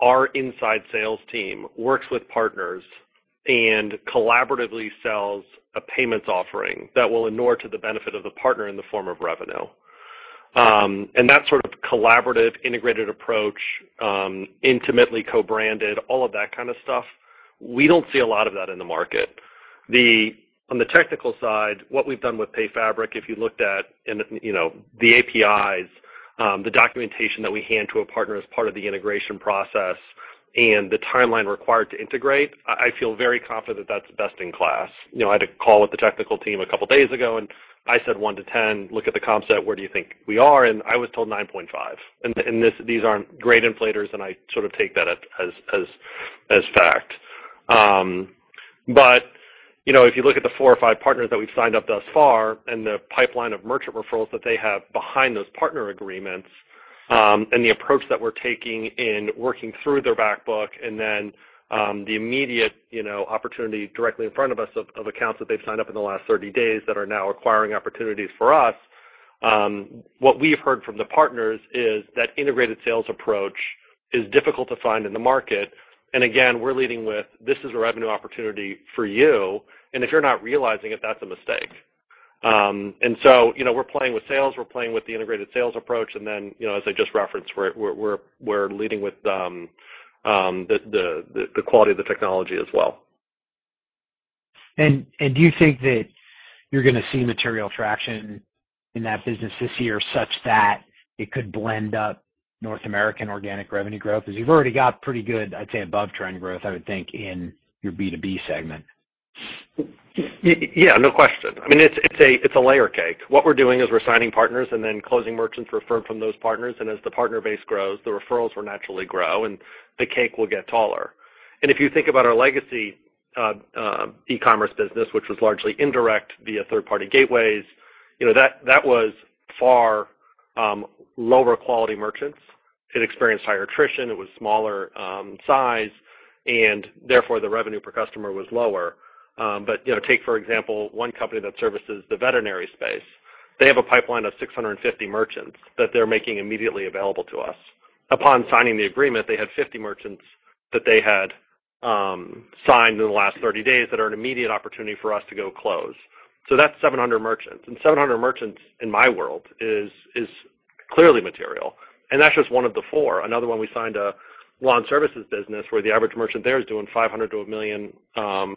our inside sales team works with partners and collaboratively sells a payments offering that will inure to the benefit of the partner in the form of revenue. That sort of collaborative integrated approach, intimately co-branded all of that kind of stuff, we don't see a lot of that in the market. On the technical side, what we've done with PayFabric, if you looked at in the, you know, the APIs, the documentation that we hand to a partner as part of the integration process and the timeline required to integrate, I feel very confident that's best in class. You know, I had a call with the technical team a couple days ago, and I said, "1 to 10, look at the comp set. Where do you think we are?" I was told 9.5. These aren't great inflators, and I sort of take that as fact. You know, if you look at the four or five partners that we've signed up thus far and the pipeline of merchant referrals that they have behind those partner agreements, and the approach that we're taking in working through their back book and then the immediate opportunity directly in front of us of accounts that they've signed up in the last 30 days that are now acquiring opportunities for us, what we've heard from the partners is that integrated sales approach is difficult to find in the market. Again, we're leading with, this is a revenue opportunity for you, and if you're not realizing it, that's a mistake. you know, we're playing with sales, we're playing with the integrated sales approach, and then, you know, as I just referenced, we're leading with the quality of the technology as well. do you think that you're gonna see material traction in that business this year such that it could blend up North American organic revenue growth? Because you've already got pretty good, I'd say above-trend growth, I would think, in your B2B segment. Yeah, no question. I mean, it's a layer cake. What we're doing is we're signing partners and then closing merchants referred from those partners. As the partner base grows, the referrals will naturally grow and the cake will get taller. If you think about our legacy e-commerce business, which was largely indirect via third-party gateways, you know, that was far lower quality merchants. It experienced higher attrition, it was smaller size, and therefore the revenue per customer was lower. But, you know, take for example, one company that services the veterinary space. They have a pipeline of 650 merchants that they're making immediately available to us. Upon signing the agreement, they had 50 merchants that they had signed in the last 30 days that are an immediate opportunity for us to go close. That's 700 merchants. 700 merchants in my world is clearly material. That's just one of the four. Another one, we signed a lawn services business where the average merchant there is doing $500-$1 million per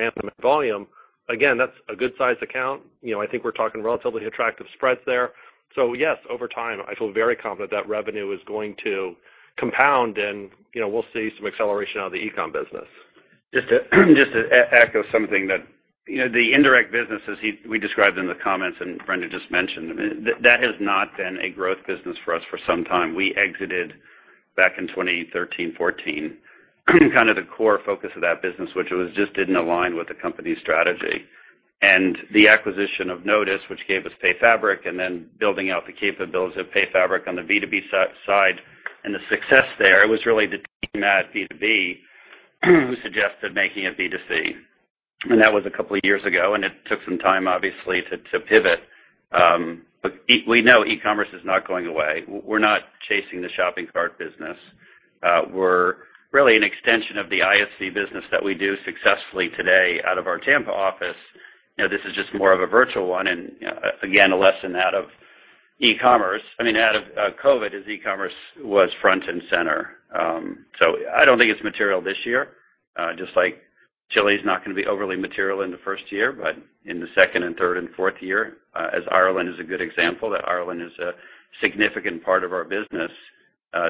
annum in volume. Again, that's a good size account. You know, I think we're talking relatively attractive spreads there. Yes, over time, I feel very confident that revenue is going to compound and, you know, we'll see some acceleration out of the e-com business. Just to echo something that, you know, the indirect business we described in the comments and Brendan just mentioned, I mean, that has not been a growth business for us for some time. We exited back in 2013-2014, kind of the core focus of that business, which it was just didn't align with the company's strategy. The acquisition of Nodus, which gave us PayFabric, and then building out the capabilities of PayFabric on the B2B side, and the success there was really the team at B2B who suggested making it B2C. That was a couple of years ago, and it took some time, obviously to pivot. But we know e-commerce is not going away. We're not chasing the shopping cart business. We're really an extension of the ISV business that we do successfully today out of our Tampa office. You know, this is just more of a virtual one and, again, a lesson out of e-commerce. I mean, out of COVID as e-commerce was front and center. So I don't think it's material this year, just like Chile is not gonna be overly material in the first year. But in the second and third and fourth year, as Ireland is a good example, that Ireland is a significant part of our business,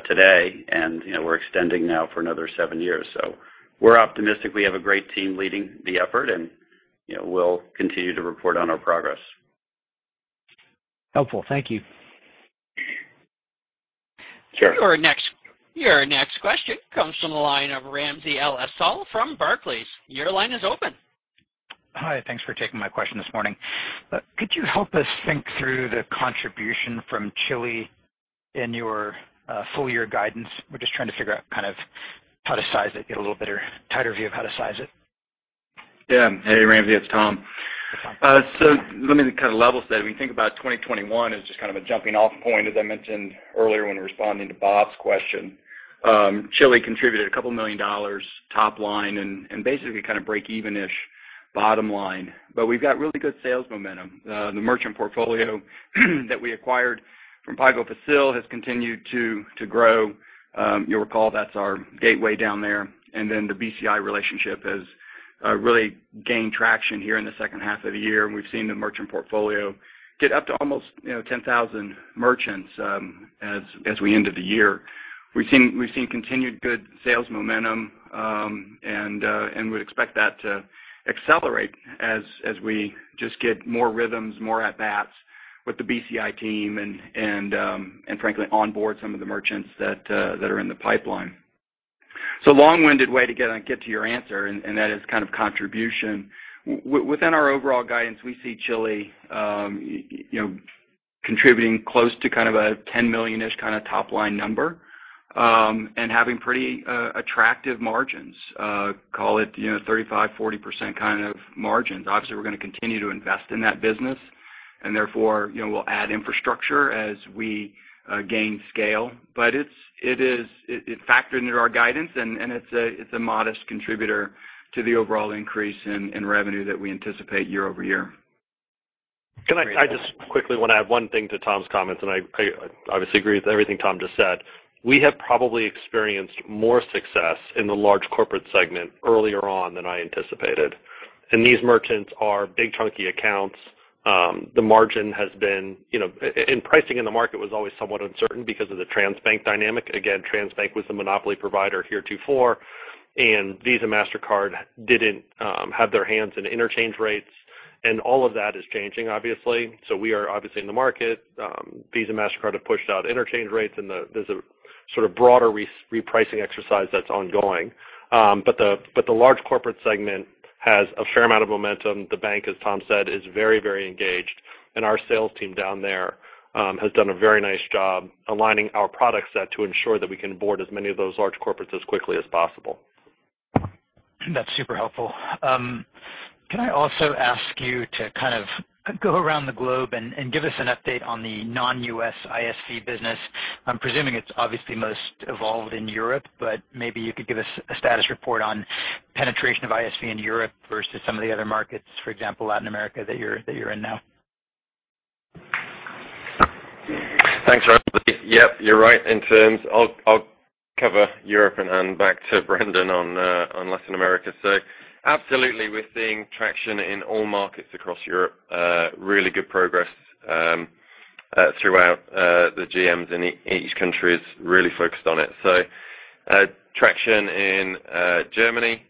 today. You know, we're extending now for another seven years. So we're optimistic. We have a great team leading the effort and, you know, we'll continue to report on our progress. Helpful. Thank you. Sure. Your next question comes from the line of Ramsey El-Assal from Barclays. Your line is open. Hi. Thanks for taking my question this morning. Could you help us think through the contribution from Chile in your full year guidance? We're just trying to figure out kind of how to size it, get a little better, tighter view of how to size it. Yeah. Ramsey, it's Tom. Tom. Let me kind of level set. When you think about 2021 as just kind of a jumping off point, as I mentioned earlier when responding to Bob's question, Chile contributed a couple million dollars top line and basically kind of breakeven-ish bottom line. We've got really good sales momentum. The merchant portfolio that we acquired from PagoFácil has continued to grow. You'll recall that's our gateway down there. The BCI relationship has really gained traction here in the second half of the year, and we've seen the merchant portfolio get up to almost, you know, 10,000 merchants, as we end the year. We've seen continued good sales momentum, and would expect that to accelerate as we just get more rhythms, more at bats with the BCI team and frankly, onboard some of the merchants that are in the pipeline. So long-winded way to get to your answer, and that is kind of contribution. Within our overall guidance, we see Chile, you know, contributing close to kind of a $10 million-ish kind of top line number, and having pretty attractive margins. Call it, you know, 35%-40% kind of margins. Obviously, we're gonna continue to invest in that business and therefore, you know, we'll add infrastructure as we gain scale. It factored into our guidance, and it's a modest contributor to the overall increase in revenue that we anticipate year over year. Can I just quickly wanna add one thing to Tom's comments, and I obviously agree with everything Tom just said. We have probably experienced more success in the large corporate segment earlier on than I anticipated. These merchants are big chunky accounts. The margin has been, and pricing in the market was always somewhat uncertain because of the Transbank dynamic. Again, Transbank was the monopoly provider heretofore, and Visa, Mastercard didn't have their hands in interchange rates, and all of that is changing, obviously. We are obviously in the market. Visa, Mastercard have pushed out interchange rates, and there's a sort of broader repricing exercise that's ongoing. But the large corporate segment has a fair amount of momentum. The bank, as Tom said, is very, very engaged, and our sales team down there has done a very nice job aligning our product set to ensure that we can board as many of those large corporates as quickly as possible. That's super helpful. Can I also ask you to kind of go around the globe and give us an update on the non-U.S. ISV business? I'm presuming it's obviously most evolved in Europe, but maybe you could give us a status report on penetration of ISV in Europe versus some of the other markets, for example, Latin America, that you're in now. Thanks, Ramsey. Yep, you're right. I'll cover Europe and hand back to Brendan on Latin America. Absolutely, we're seeing traction in all markets across Europe. Really good progress. Throughout the GMs in each country is really focused on it. Traction in Germany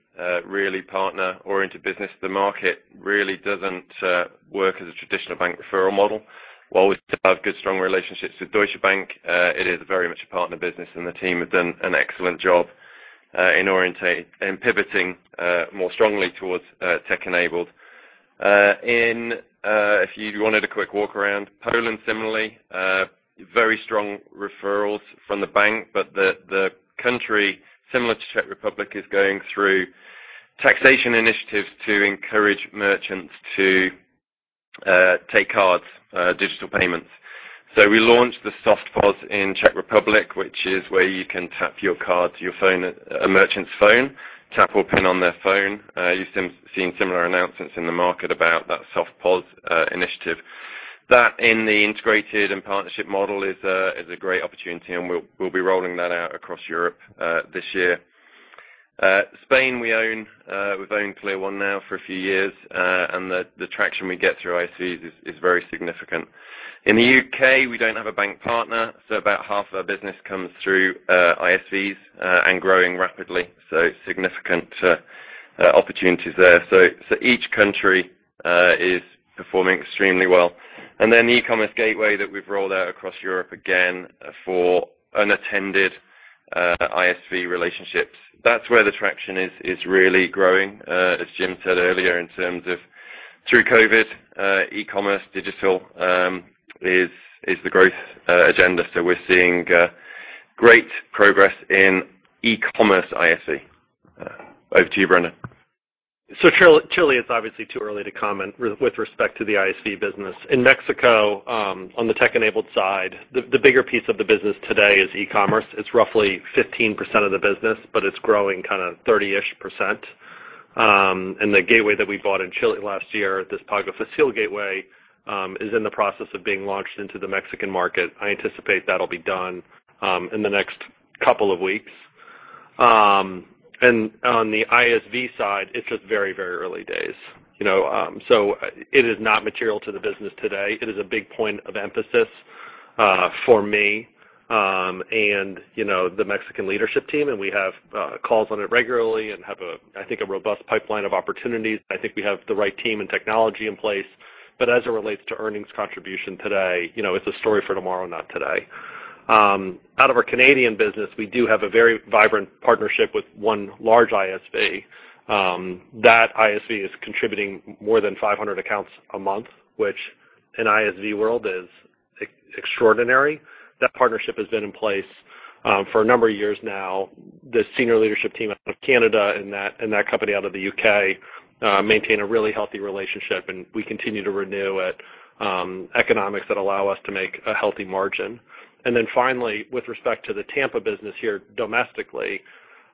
really partner-oriented business. The market really doesn't work as a traditional bank referral model. While we still have good, strong relationships with Deutsche Bank, it is very much a partner business and the team have done an excellent job in pivoting more strongly towards tech-enabled. If you wanted a quick walk around Poland similarly, very strong referrals from the bank, but the country similar to Czech Republic is going through taxation initiatives to encourage merchants to take cards, digital payments. We launched the SoftPOS in Czech Republic, which is where you can tap your card to your phone at a merchant's phone, tap or pin on their phone. You've seen similar announcements in the market about that SoftPOS initiative. That in the integrated and partnership model is a great opportunity, and we'll be rolling that out across Europe this year. In Spain we own, we've owned ClearONE now for a few years, and the traction we get through ISVs is very significant. In the U.K., we don't have a bank partner, so about half of our business comes through ISVs and growing rapidly, so significant opportunities there. Each country is performing extremely well. Then e-commerce gateway that we've rolled out across Europe again for unattended ISV relationships. That's where the traction is really growing. As Jim said earlier, in terms of through COVID, e-commerce digital is the growth agenda. We're seeing great progress in e-commerce ISV. Over to you, Brendan. Chile is obviously too early to comment with respect to the ISV business. In Mexico, on the tech-enabled side, the bigger piece of the business today is e-commerce. It's roughly 15% of the business, but it's growing kind of 30-ish%. The gateway that we bought in Chile last year, this PagoFácil gateway, is in the process of being launched into the Mexican market. I anticipate that'll be done in the next couple of weeks. On the ISV side, it's just very early days. You know, it is not material to the business today. It is a big point of emphasis for me and you know the Mexican leadership team, and we have calls on it regularly and have a I think a robust pipeline of opportunities. I think we have the right team and technology in place. As it relates to earnings contribution today, you know, it's a story for tomorrow, not today. Out of our Canadian business, we do have a very vibrant partnership with one large ISV. That ISV is contributing more than 500 accounts a month, which in ISV world is extraordinary. That partnership has been in place for a number of years now. The senior leadership team out of Canada and that company out of the UK maintain a really healthy relationship, and we continue to renew at economics that allow us to make a healthy margin. With respect to the Tampa business here domestically,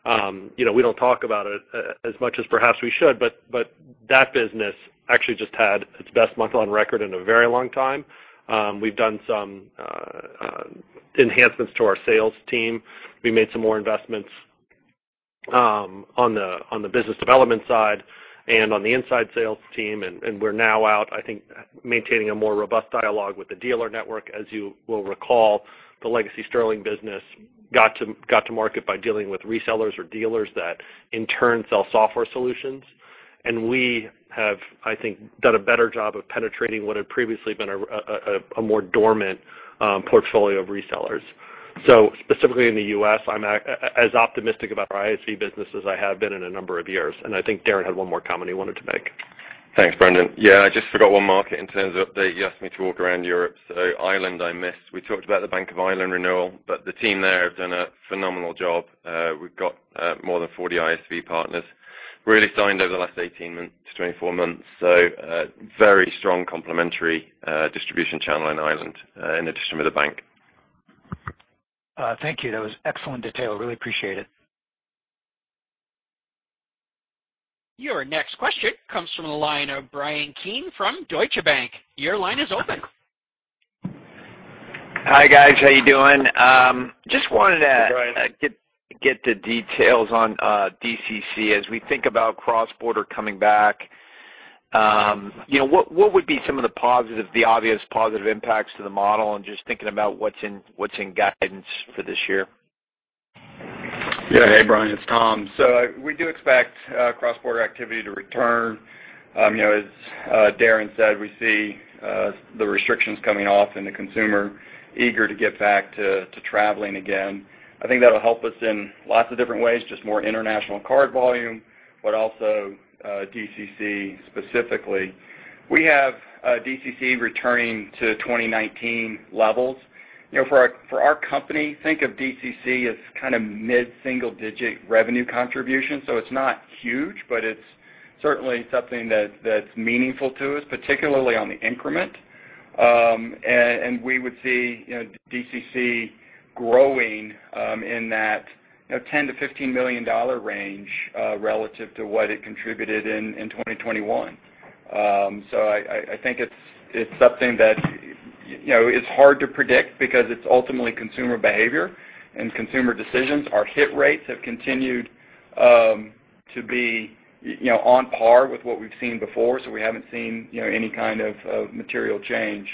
you know, we don't talk about it as much as perhaps we should, but that business actually just had its best month on record in a very long time. We've done some enhancements to our sales team. We made some more investments on the business development side and on the inside sales team, and we're now out, I think, maintaining a more robust dialogue with the dealer network. As you will recall, the Legacy Sterling business got to market by dealing with resellers or dealers that in turn sell software solutions. We have, I think, done a better job of penetrating what had previously been a more dormant portfolio of resellers. Specifically in the U.S., I'm as optimistic about our ISV business as I have been in a number of years. I think Darren had one more comment he wanted to make. Thanks, Brendan. Yeah. I just forgot one market in terms of update. You asked me to walk around Europe. Ireland, I missed. We talked about the Bank of Ireland renewal, but the team there have done a phenomenal job. We've got more than 40 ISV partners really signed over the last 18 months to 24 months. Very strong complementary distribution channel in Ireland, in addition to the bank. Thank you. That was excellent detail. Really appreciate it. Your next question comes from the line of Bryan Keane from Deutsche Bank. Your line is open. Hi, guys. How you doing? Just wanted to. Bryan. Get the details on DCC. As we think about cross-border coming back, you know, what would be some of the obvious positive impacts to the model? Just thinking about what's in guidance for this year. Yeah. Bryan, it's Tom. We do expect cross-border activity to return. You know, as Darren said, we see the restrictions coming off and the consumer eager to get back to traveling again. I think that'll help us in lots of different ways, just more international card volume, but also DCC specifically. We have DCC returning to 2019 levels. You know, for our company, think of DCC as kind of mid-single-digit revenue contribution. It's not huge, but it's certainly something that's meaningful to us, particularly on the increment. And we would see, you know, DCC growing in that $10 million-$15 million range relative to what it contributed in 2021. I think it's something that, you know, it's hard to predict because it's ultimately consumer behavior and consumer decisions. Our hit rates have continued. To be, you know, on par with what we've seen before, so we haven't seen, you know, any kind of of material change.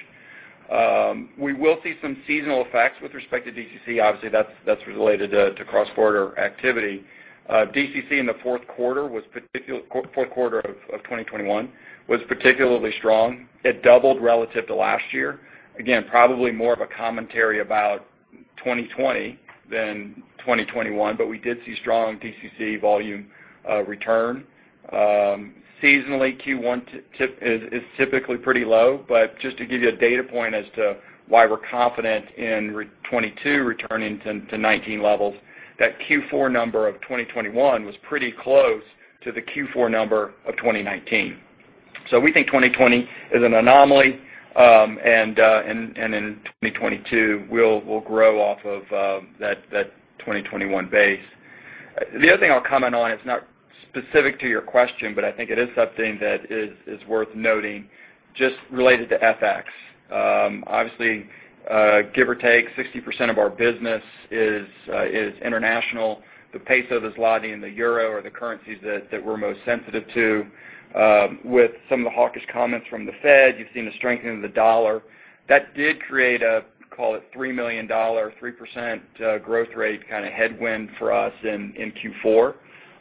We will see some seasonal effects with respect to DCC. Obviously, that's related to cross-border activity. DCC in the fourth quarter of 2021 was particularly strong. It doubled relative to last year. Again, probably more of a commentary about 2020 than 2021, but we did see strong DCC volume return. Seasonally, Q1 is typically pretty low. But just to give you a data point as to why we're confident in 2022 returning to 2019 levels, that Q4 number of 2021 was pretty close to the Q4 number of 2019. We think 2020 is an anomaly, and in 2022 we'll grow off of that 2021 base. The other thing I'll comment on, it's not specific to your question, but I think it is something that is worth noting just related to FX. Obviously, give or take, 60% of our business is international. The peso, the zloty, and the euro are the currencies that we're most sensitive to. With some of the hawkish comments from the Fed, you've seen a strengthening of the dollar. That did create a, call it $3 million, 3%, growth rate kinda headwind for us in Q4.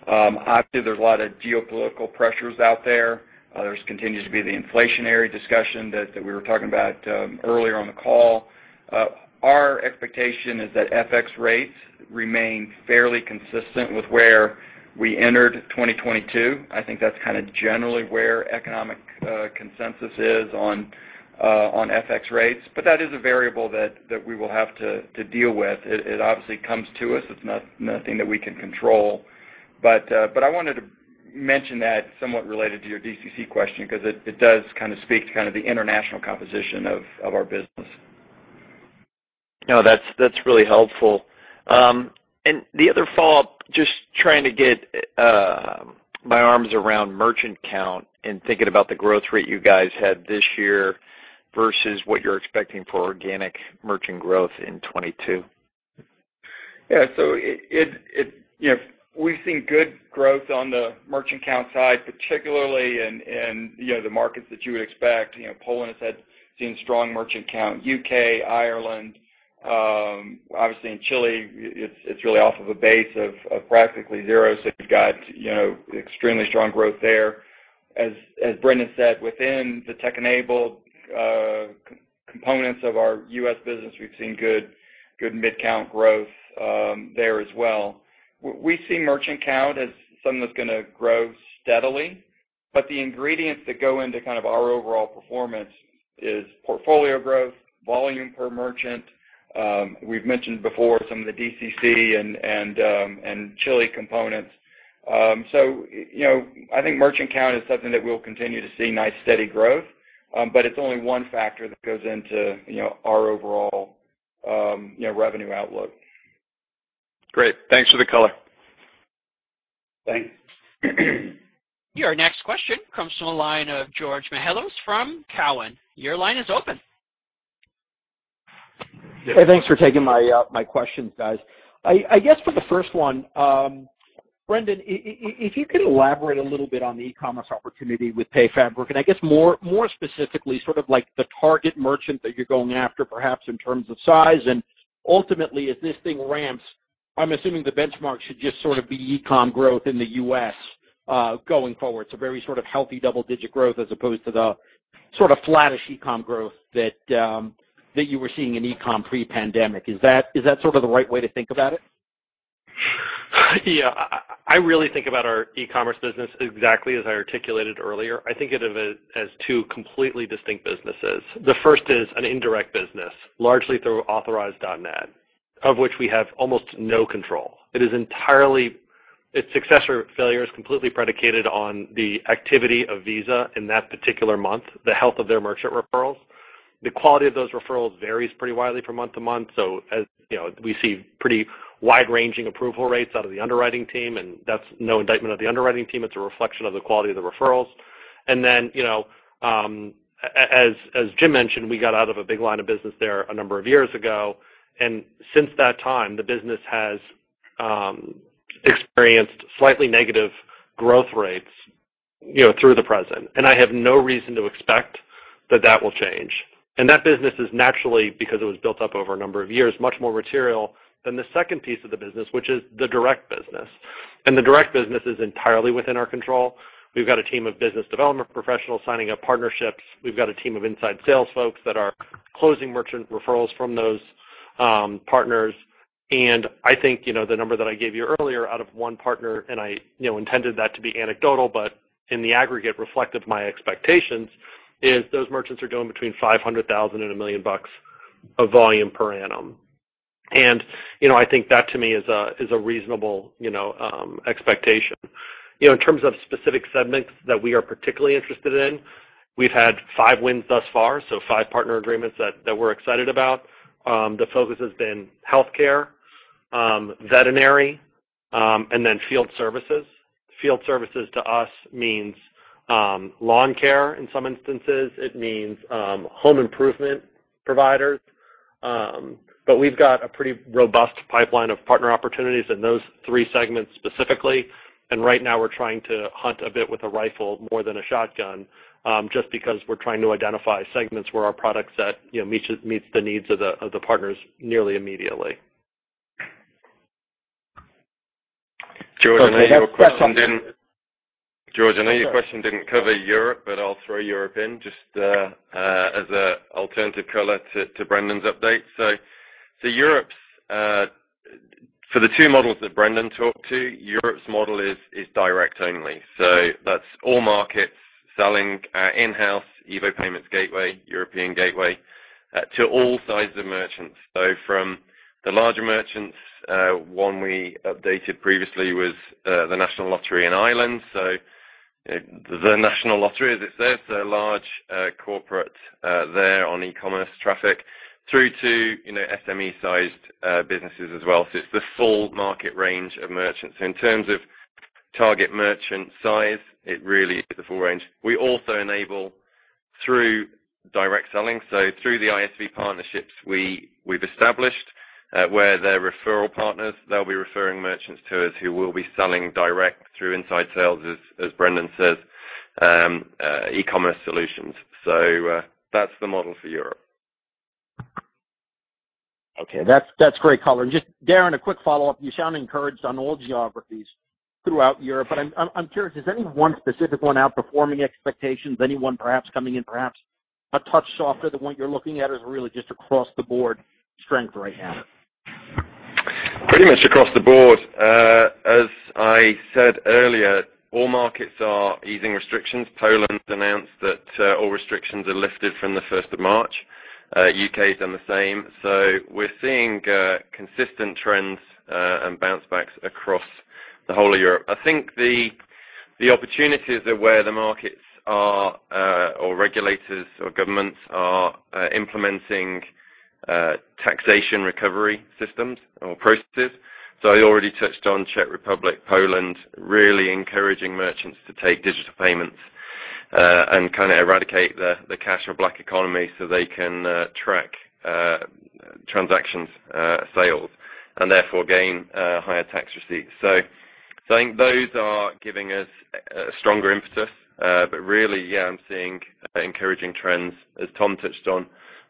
Obviously, there's a lot of geopolitical pressures out there. There continues to be the inflationary discussion that we were talking about earlier on the call. Our expectation is that FX rates remain fairly consistent with where we entered 2022. I think that's kinda generally where economic consensus is on FX rates. That is a variable that we will have to deal with. It obviously comes to us. It's not nothing that we can control. I wanted to mention that somewhat related to your DCC question because it does kinda speak to kind of the international composition of our business. No, that's really helpful. The other follow-up, just trying to get my arms around merchant count and thinking about the growth rate you guys had this year versus what you're expecting for organic merchant growth in 2022. We've seen good growth on the merchant count side, particularly in the markets that you would expect. You know, Poland has seen strong merchant count, U.K., Ireland. Obviously in Chile, it's really off of a base of practically zero, so you've got extremely strong growth there. As Brendan said, within the tech-enabled components of our U.S. business, we've seen good mid-count growth there as well. We see merchant count as something that's gonna grow steadily, but the ingredients that go into kind of our overall performance is portfolio growth, volume per merchant. We've mentioned before some of the DCC and Chile components. You know, I think merchant count is something that we'll continue to see nice, steady growth, but it's only one factor that goes into, you know, our overall, you know, revenue outlook. Great. Thanks for the color. Thanks. Your next question comes from the line of George Mihalos from Cowen. Your line is open. Hey, thanks for taking my questions, guys. I guess for the first one, Brendan, if you could elaborate a little bit on the e-commerce opportunity with PayFabric, and I guess more specifically sort of like the target merchant that you're going after, perhaps in terms of size. Ultimately, as this thing ramps, I'm assuming the benchmark should just sort of be e-com growth in the U.S., going forward. Very sort of healthy double-digit growth as opposed to the sort of flattish e-com growth that you were seeing in e-com pre-pandemic. Is that sort of the right way to think about it? Yeah. I really think about our e-commerce business exactly as I articulated earlier. I think of it as two completely distinct businesses. The first is an indirect business, largely through Authorize.Net, of which we have almost no control. It is entirely its success or failure is completely predicated on the activity of Visa in that particular month, the health of their merchant referrals. The quality of those referrals varies pretty widely from month to month. As, you know, we see pretty wide-ranging approval rates out of the underwriting team, and that's no indictment of the underwriting team. It's a reflection of the quality of the referrals. Then, you know, as Jim mentioned, we got out of a big line of business there a number of years ago. Since that time, the business has experienced slightly negative growth rates, you know, through the present. I have no reason to expect that that will change. That business is naturally because it was built up over a number of years, much more material than the second piece of the business, which is the direct business. The direct business is entirely within our control. We've got a team of business development professionals signing up partnerships. We've got a team of inside sales folks that are closing merchant referrals from those, partners. I think, you know, the number that I gave you earlier out of one partner, and I, you know, intended that to be anecdotal, but in the aggregate reflective my expectations, is those merchants are doing between $500,000 and $1 million of volume per annum. You know, I think that to me is a reasonable, you know, expectation. You know, in terms of specific segments that we are particularly interested in, we've had five wins thus far, so five partner agreements that we're excited about. The focus has been healthcare, veterinary, and then field services. Field services to us means lawn care in some instances. It means home improvement providers, but we've got a pretty robust pipeline of partner opportunities in those three segments specifically. Right now we're trying to hunt a bit with a rifle more than a shotgun, just because we're trying to identify segments where our product set, you know, meets the needs of the partners nearly immediately. George, I know your question didn't cover Europe, but I'll throw Europe in just as an alternative color to Brendan's update. Europe's for the two models that Brendan talked about, Europe's model is direct only. That's all markets selling in-house EVO Payments gateway, European gateway to all sizes of merchants. From the larger merchants, one we updated previously was the National Lottery in Ireland. The National Lottery, as it says, a large corporate, their own e-commerce traffic through to, you know, SME-sized businesses as well. It's the full market range of merchants. In terms of target merchant size, it really is the full range. We also enable through direct selling, so through the ISV partnerships we've established, where their referral partners, they'll be referring merchants to us who will be selling direct through inside sales, as Brendan says, e-commerce solutions. That's the model for Europe. Okay. That's great, George. Just Darren, a quick follow-up. You sound encouraged on all geographies throughout Europe, but I'm curious, is any one specific one outperforming expectations? Anyone perhaps coming in a touch softer than what you're looking at? Is it really just across the board strength right now? Pretty much across the board. As I said earlier, all markets are easing restrictions. Poland announced that all restrictions are lifted from the first of March. U.K. has done the same. We're seeing consistent trends and bounce backs across the whole of Europe. I think the opportunities are where the markets are, or regulators or governments are implementing taxation recovery systems or processes. I already touched on Czech Republic. Poland really encouraging merchants to take digital payments, and kinda eradicate the cash or black economy so they can track transactions sales and therefore gain higher tax receipts. I think those are giving us a stronger impetus. Really, yeah, I'm seeing encouraging trends, as Tom touched on,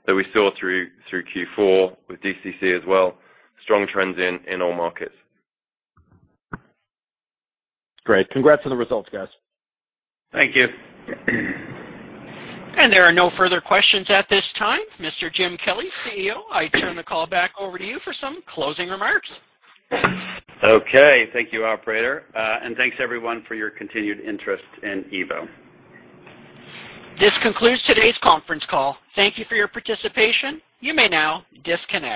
that we saw through Q4 with DCC as well, strong trends in all markets. Great. Congrats on the results, guys. Thank you. There are no further questions at this time. Mr. James G. Kelly, CEO, I turn the call back over to you for some closing remarks. Okay. Thank you, operator. Thanks everyone for your continued interest in EVO. This concludes today's conference call. Thank you for your participation. You may now disconnect.